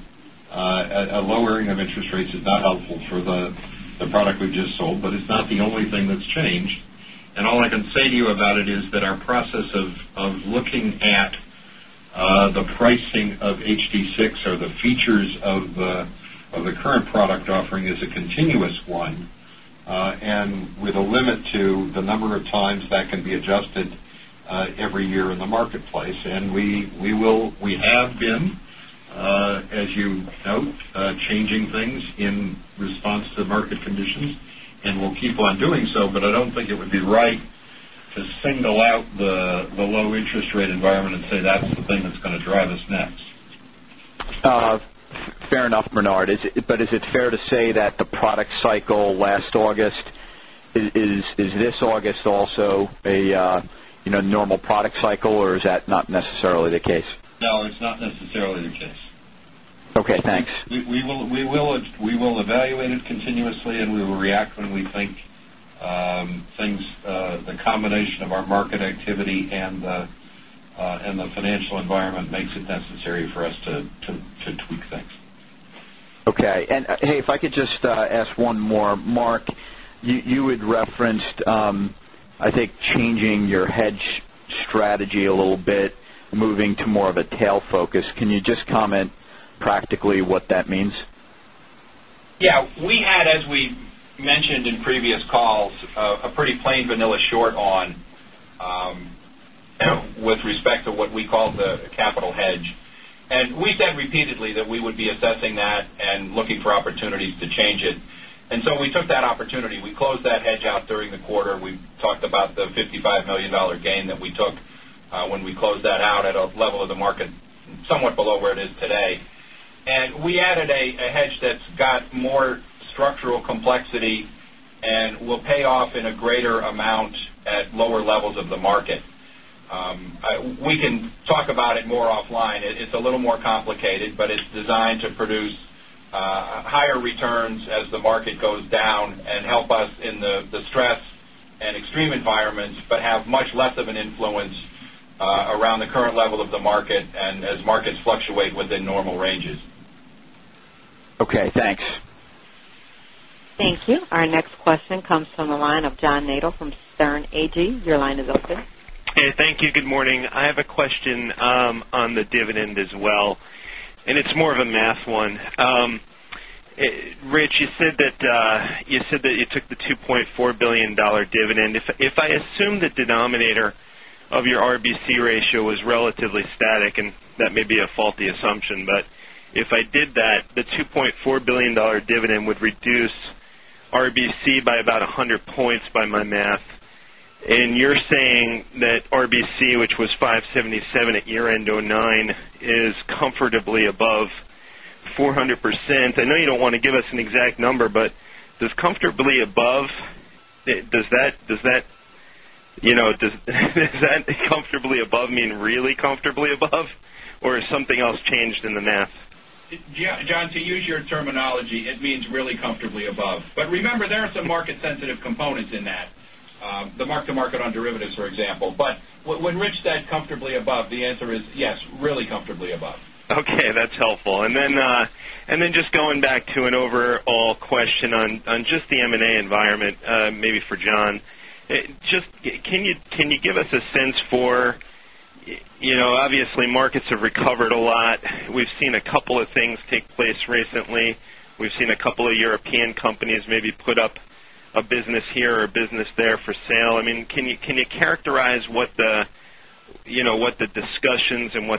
A lowering of interest rates is not helpful for the product we just sold, it's not the only thing that's changed. All I can say to you about it is that our process of looking at the pricing of HD6 or the features of the current product offering is a continuous one, with a limit to the number of times that can be adjusted every year in the marketplace. We have been, as you note, changing things in response to market conditions, we'll keep on doing so, I don't think it would be right to single out the low interest rate environment and say that's the thing that's going to drive us next. Fair enough, Bernard. Is it fair to say that the product cycle last August, is this August also a normal product cycle, or is that not necessarily the case? No, it's not necessarily the case. Okay, thanks. We will evaluate it continuously, and we will react when we think the combination of our market activity and the financial environment makes it necessary for us to tweak things. Okay. Hey, if I could just ask one more. Mark, you had referenced, I think, changing your hedge strategy a little bit, moving to more of a tail focus. Can you just comment practically what that means? Yeah. We had, as we mentioned in previous calls, a pretty plain vanilla short on with respect to what we call the capital hedge. We said repeatedly that we would be assessing that and looking for opportunities to change it. We took that opportunity. We closed that hedge out during the quarter. We talked about the $55 million gain that we took when we closed that out at a level of the market somewhat below where it is today. We added a hedge that's got more structural complexity and will pay off in a greater amount at lower levels of the market. We can talk about it more offline. It's a little more complicated, but it's designed to produce higher returns as the market goes down and help us in the stress and extreme environments, but have much less of an influence around the current level of the market and as markets fluctuate within normal ranges. Okay, thanks. Thank you. Our next question comes from the line of John Nadel from Sterne Agee. Your line is open. Thank you. Good morning. I have a question on the dividend as well, and it's more of a math one. Rich, you said that you took the $2.4 billion dividend. If I assume the denominator of your RBC ratio was relatively static, and that may be a faulty assumption, if I did that, the $2.4 billion dividend would reduce RBC by about 100 points by my math. You're saying that RBC, which was 577 at year-end 2009, is comfortably above 400%. I know you don't want to give us an exact number, does comfortably above mean really comfortably above, or has something else changed in the math? John, to use your terminology, it means really comfortably above. Remember, there are some market-sensitive components in that. The mark to market on derivatives, for example. When Rich said comfortably above, the answer is yes, really comfortably above. Okay, that's helpful. Just going back to an overall question on just the M&A environment, maybe for John. Can you give us a sense for, obviously markets have recovered a lot. We've seen a couple of things take place recently. We've seen a couple of European companies maybe put up a business here or a business there for sale. Can you characterize what the discussions and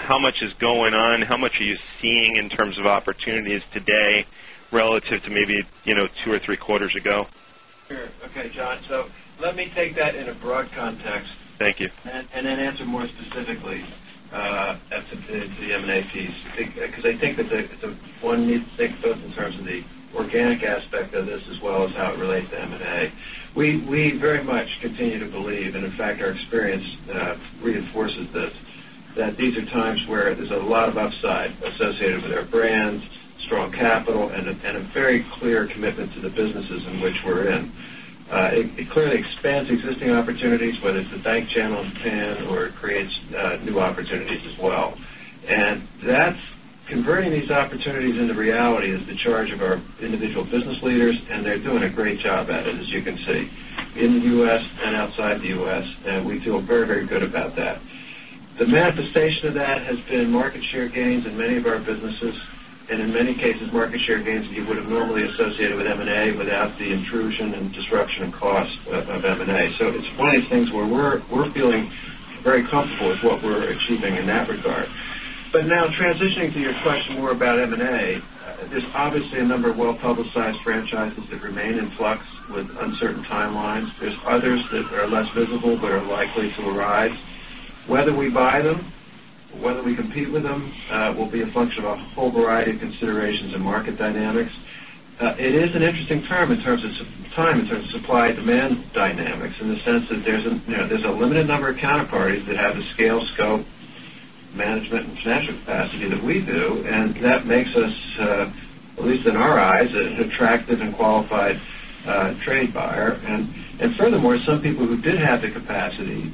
how much is going on, how much are you seeing in terms of opportunities today relative to maybe two or three quarters ago? Sure. Okay, John. Let me take that in a broad context. Thank you. Answer more specifically to the M&A piece. I think that one needs to think both in terms of the organic aspect of this as well as how it relates to M&A. We very much continue to believe, and in fact, our experience reinforces this, that these are times where there's a lot of upside associated with our brands, strong capital, and a very clear commitment to the businesses in which we're in. It clearly expands existing opportunities, whether it's the bank channels then or it creates new opportunities as well. Converting these opportunities into reality is the charge of our individual business leaders, and they're doing a great job at it, as you can see, in the U.S. and outside the U.S., and we feel very good about that. The manifestation of that has been market share gains in many of our businesses, and in many cases, market share gains that you would have normally associated with M&A without the intrusion and disruption and cost of M&A. It's one of these things where we're feeling very comfortable with what we're achieving in that regard. Now transitioning to your question more about M&A, there's obviously a number of well-publicized franchises that remain in flux with uncertain timelines. There's others that are less visible but are likely to arise. Whether we buy them, whether we compete with them, will be a function of a whole variety of considerations and market dynamics. It is an interesting time in terms of supply and demand dynamics, in the sense that there's a limited number of counterparties that have the scale, scope, management, and financial capacity that we do, and that makes us, at least in our eyes, an attractive and qualified trade buyer. Furthermore, some people who did have the capacity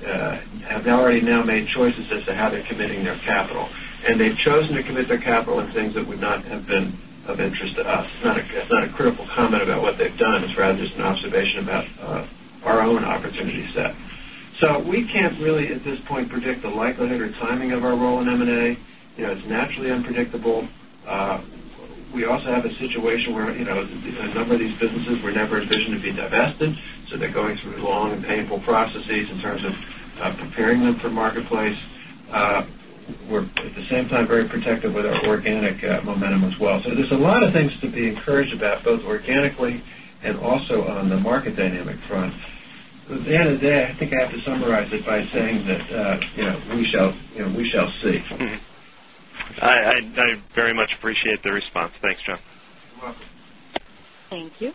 have already now made choices as to how they're committing their capital. They've chosen to commit their capital in things that would not have been of interest to us. It's not a critical comment about what they've done. It's rather just an observation about our own opportunity set. We can't really, at this point, predict the likelihood or timing of our role in M&A. It's naturally unpredictable. We also have a situation where a number of these businesses were never envisioned to be divested, so they're going through long and painful processes in terms of preparing them for the marketplace. We're at the same time very protective with our organic momentum as well. There's a lot of things to be encouraged about, both organically and also on the market dynamic front. At the end of the day, I think I have to summarize it by saying that we shall see. Mm-hmm. I very much appreciate the response. Thanks, John. You're welcome. Thank you.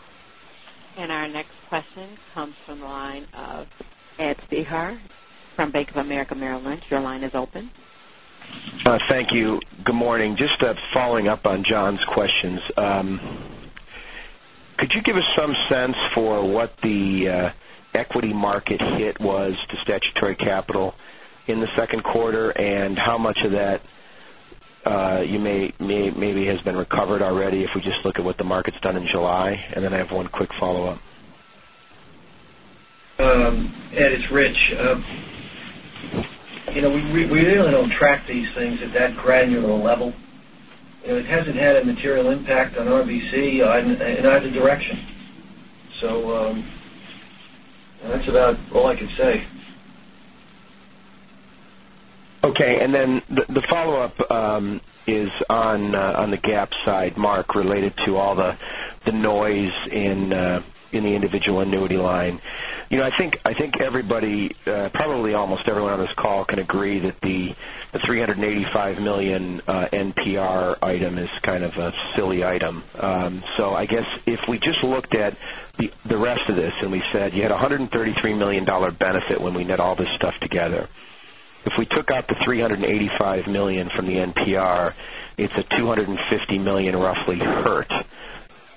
Our next question comes from the line of Ed Spehar from Bank of America Merrill Lynch. Your line is open. Thank you. Good morning. Just following up on John's questions. Could you give us some sense for what the equity market hit was to statutory capital in the second quarter, and how much of that maybe has been recovered already if we just look at what the market's done in July? Then I have one quick follow-up. Ed, it's Rich. We really don't track these things at that granular level. It hasn't had a material impact on RBC in either direction. That's about all I can say. Okay, the follow-up is on the GAAP side, Mark, related to all the noise in the individual annuity line. I think probably almost everyone on this call can agree that the $385 million NPR item is kind of a silly item. I guess if we just looked at the rest of this, and we said you had $133 million benefit when we net all this stuff together. If we took out the $385 million from the NPR, it's a $250 million roughly hurt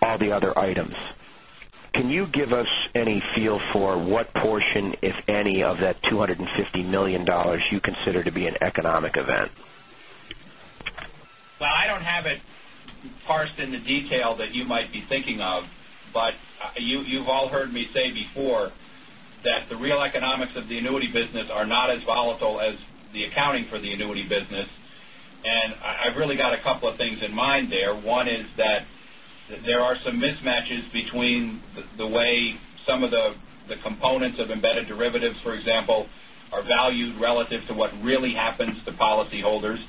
all the other items. Can you give us any feel for what portion, if any, of that $250 million you consider to be an economic event? Well, I don't have it parsed into detail that you might be thinking of, but you've all heard me say before that the real economics of the annuity business are not as volatile as the accounting for the annuity business, and I've really got a couple of things in mind there. One is that there are some mismatches between the way some of the components of embedded derivatives, for example, are valued relative to what really happens to policyholders.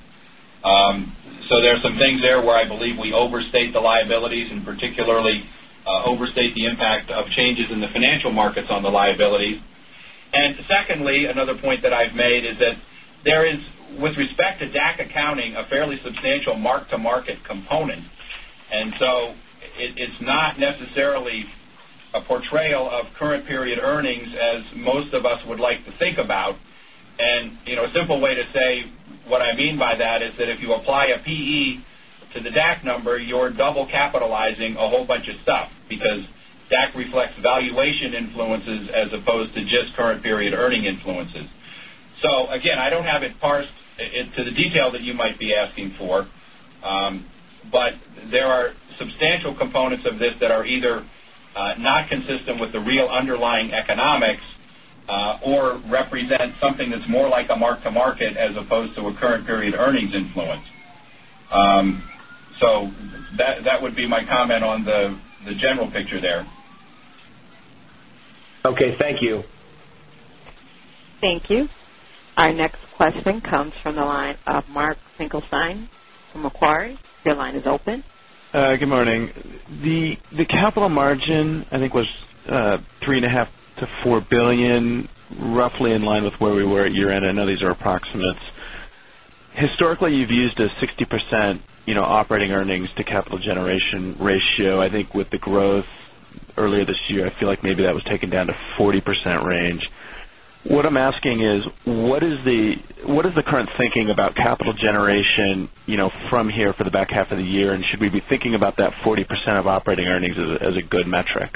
There's some things there where I believe we overstate the liabilities and particularly overstate the impact of changes in the financial markets on the liabilities. Secondly, another point that I've made is that there is, with respect to DAC accounting, a fairly substantial mark-to-market component. It's not necessarily a portrayal of current period earnings as most of us would like to think about. A simple way to say what I mean by that is that if you apply a PE to the DAC number, you're double capitalizing a whole bunch of stuff because DAC reflects valuation influences as opposed to just current period earning influences. Again, I don't have it parsed into the detail that you might be asking for. There are substantial components of this that are either not consistent with the real underlying economics or represent something that's more like a mark to market as opposed to a current period earnings influence. That would be my comment on the general picture there. Okay. Thank you. Thank you. Our next question comes from the line of Mark Finkelstein from Macquarie. Your line is open. Good morning. The capital margin, I think, was $3.5 billion-$4 billion, roughly in line with where we were at year-end. I know these are approximates. Historically, you've used a 60% operating earnings to capital generation ratio. I think with the growth earlier this year, I feel like maybe that was taken down to 40% range. What I'm asking is, what is the current thinking about capital generation from here for the back half of the year, and should we be thinking about that 40% of operating earnings as a good metric?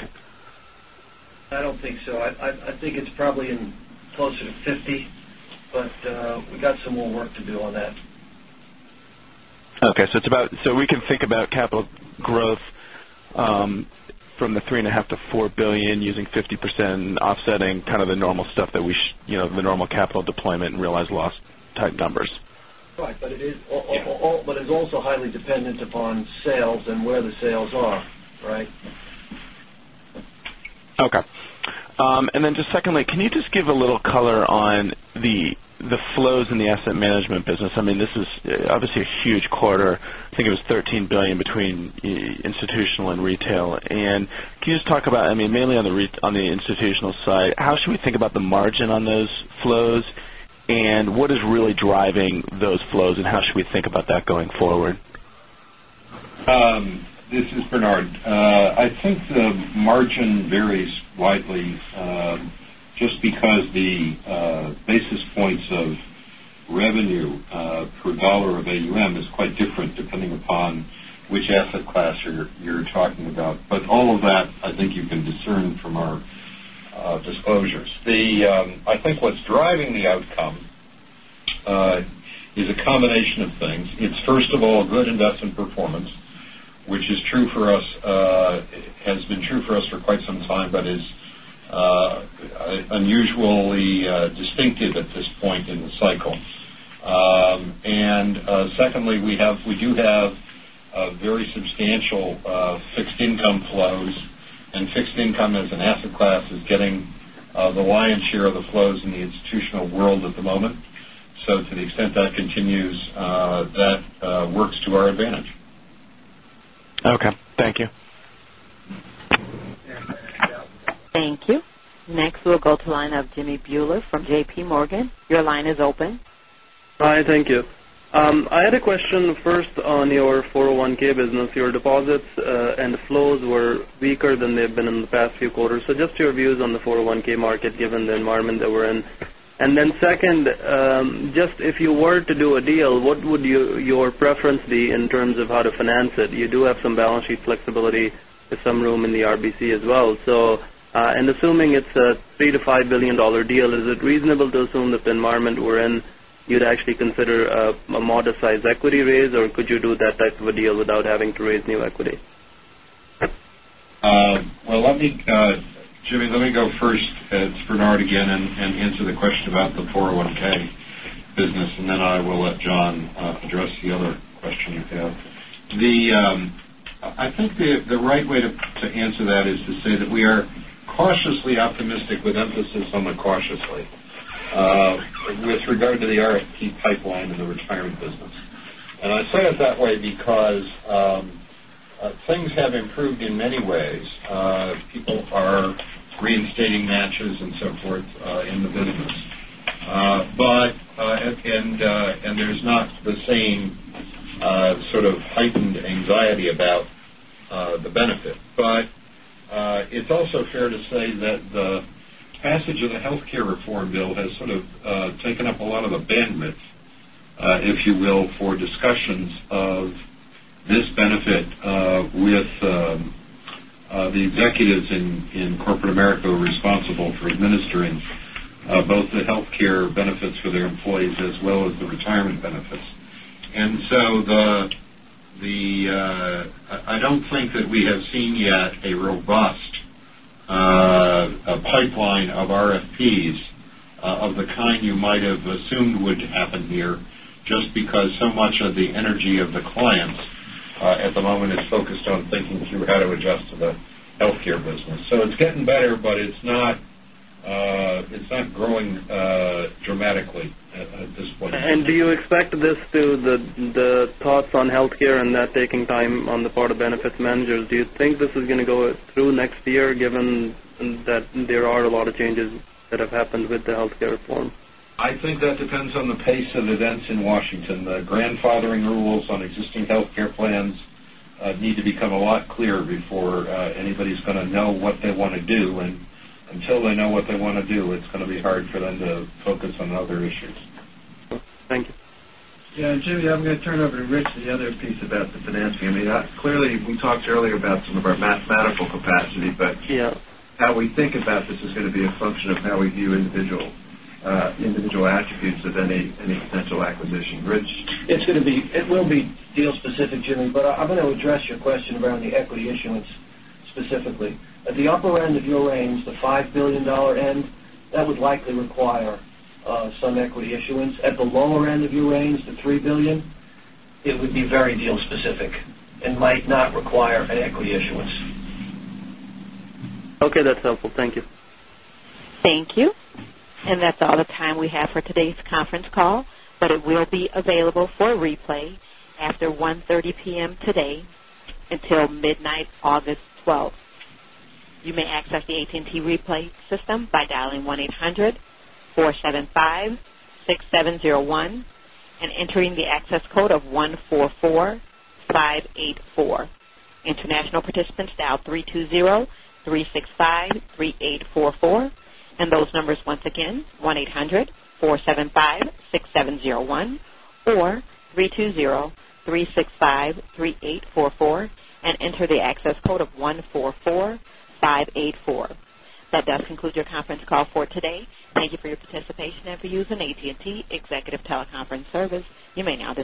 I don't think so. I think it's probably closer to 50, but we got some more work to do on that. Okay. We can think about capital growth from the $3.5 billion-$4 billion using 50% and offsetting kind of the normal capital deployment and realized loss type numbers. Right. It is also highly dependent upon sales and where the sales are, right? Okay. Just secondly, can you just give a little color on the flows in the asset management business? This is obviously a huge quarter. I think it was $13 billion between institutional and retail. Can you just talk about, mainly on the institutional side, how should we think about the margin on those flows? What is really driving those flows, and how should we think about that going forward? This is Bernard. I think the margin varies widely, just because the basis points of revenue per dollar of AUM is quite different depending upon which asset class you're talking about. All of that, I think you can discern from our disclosures. I think what's driving the outcome is a combination of things. It's first of all, good investment performance, which has been true for us for quite some time but is unusually distinctive at this point in the cycle. Secondly, we do have very substantial fixed income flows, and fixed income as an asset class is getting the lion's share of the flows in the institutional world at the moment. To the extent that continues, that works to our advantage. Okay. Thank you. Thank you. Next, we'll go to line of Jimmy Bhullar from JP Morgan. Your line is open. Hi, thank you. I had a question first on your 401 business. Your deposits and flows were weaker than they've been in the past few quarters. Just your views on the 401 market, given the environment that we're in. Second, just if you were to do a deal, what would your preference be in terms of how to finance it? You do have some balance sheet flexibility with some room in the RBC as well. Assuming it's a $3 billion-$5 billion deal, is it reasonable to assume that the environment we're in, you'd actually consider a modest-sized equity raise, or could you do that type of a deal without having to raise new equity? Jimmy, let me go first, it's Bernard again, and answer the question about the 401 business. I will let John address the other question you have. I think the right way to answer that is to say that we are cautiously optimistic, with emphasis on the cautiously, with regard to the RFP pipeline in the retirement business. I say it that way because things have improved in many ways. People are reinstating matches and so forth in the business. There's not the same sort of heightened anxiety about the benefit. It's also fair to say that the passage of the Healthcare Reform Bill has sort of taken up a lot of the bandwidth, if you will, for discussions of this benefit with the executives in corporate America who are responsible for administering both the healthcare benefits for their employees as well as the retirement benefits. I don't think that we have seen yet a robust pipeline of RFPs of the kind you might have assumed would happen here, just because so much of the energy of the clients at the moment is focused on thinking through how to adjust to the healthcare business. It's getting better, but it's not growing dramatically at this point. Do you expect this to the thoughts on healthcare and that taking time on the part of benefits managers, do you think this is going to go through next year given that there are a lot of changes that have happened with the Healthcare Reform? I think that depends on the pace of events in Washington. The grandfathering rules on existing healthcare plans need to become a lot clearer before anybody's going to know what they want to do. Until they know what they want to do, it's going to be hard for them to focus on other issues. Thank you. Yeah, Jimmy, I'm going to turn over to Rich the other piece about the financing. Clearly, we talked earlier about some of our mathematical capacity. Yeah how we think about this is going to be a function of how we view individual attributes of any potential acquisition. Rich? It will be deal specific, Jimmy, but I'm going to address your question around the equity issuance specifically. At the upper end of your range, the $5 billion end, that would likely require some equity issuance. At the lower end of your range, the $3 billion, it would be very deal specific and might not require an equity issuance. Okay. That's helpful. Thank you. Thank you. That's all the time we have for today's conference call, but it will be available for replay after 1:30 P.M. today until midnight August 12th. You may access the AT&T replay system by dialing 1-800-475-6701 and entering the access code of 144584. International participants dial 3203653844. Those numbers once again, 1-800-475-6701 or 3203653844, and enter the access code of 144584. That does conclude your conference call for today. Thank you for your participation and for using AT&T Executive Teleconference Service. You may now disconnect.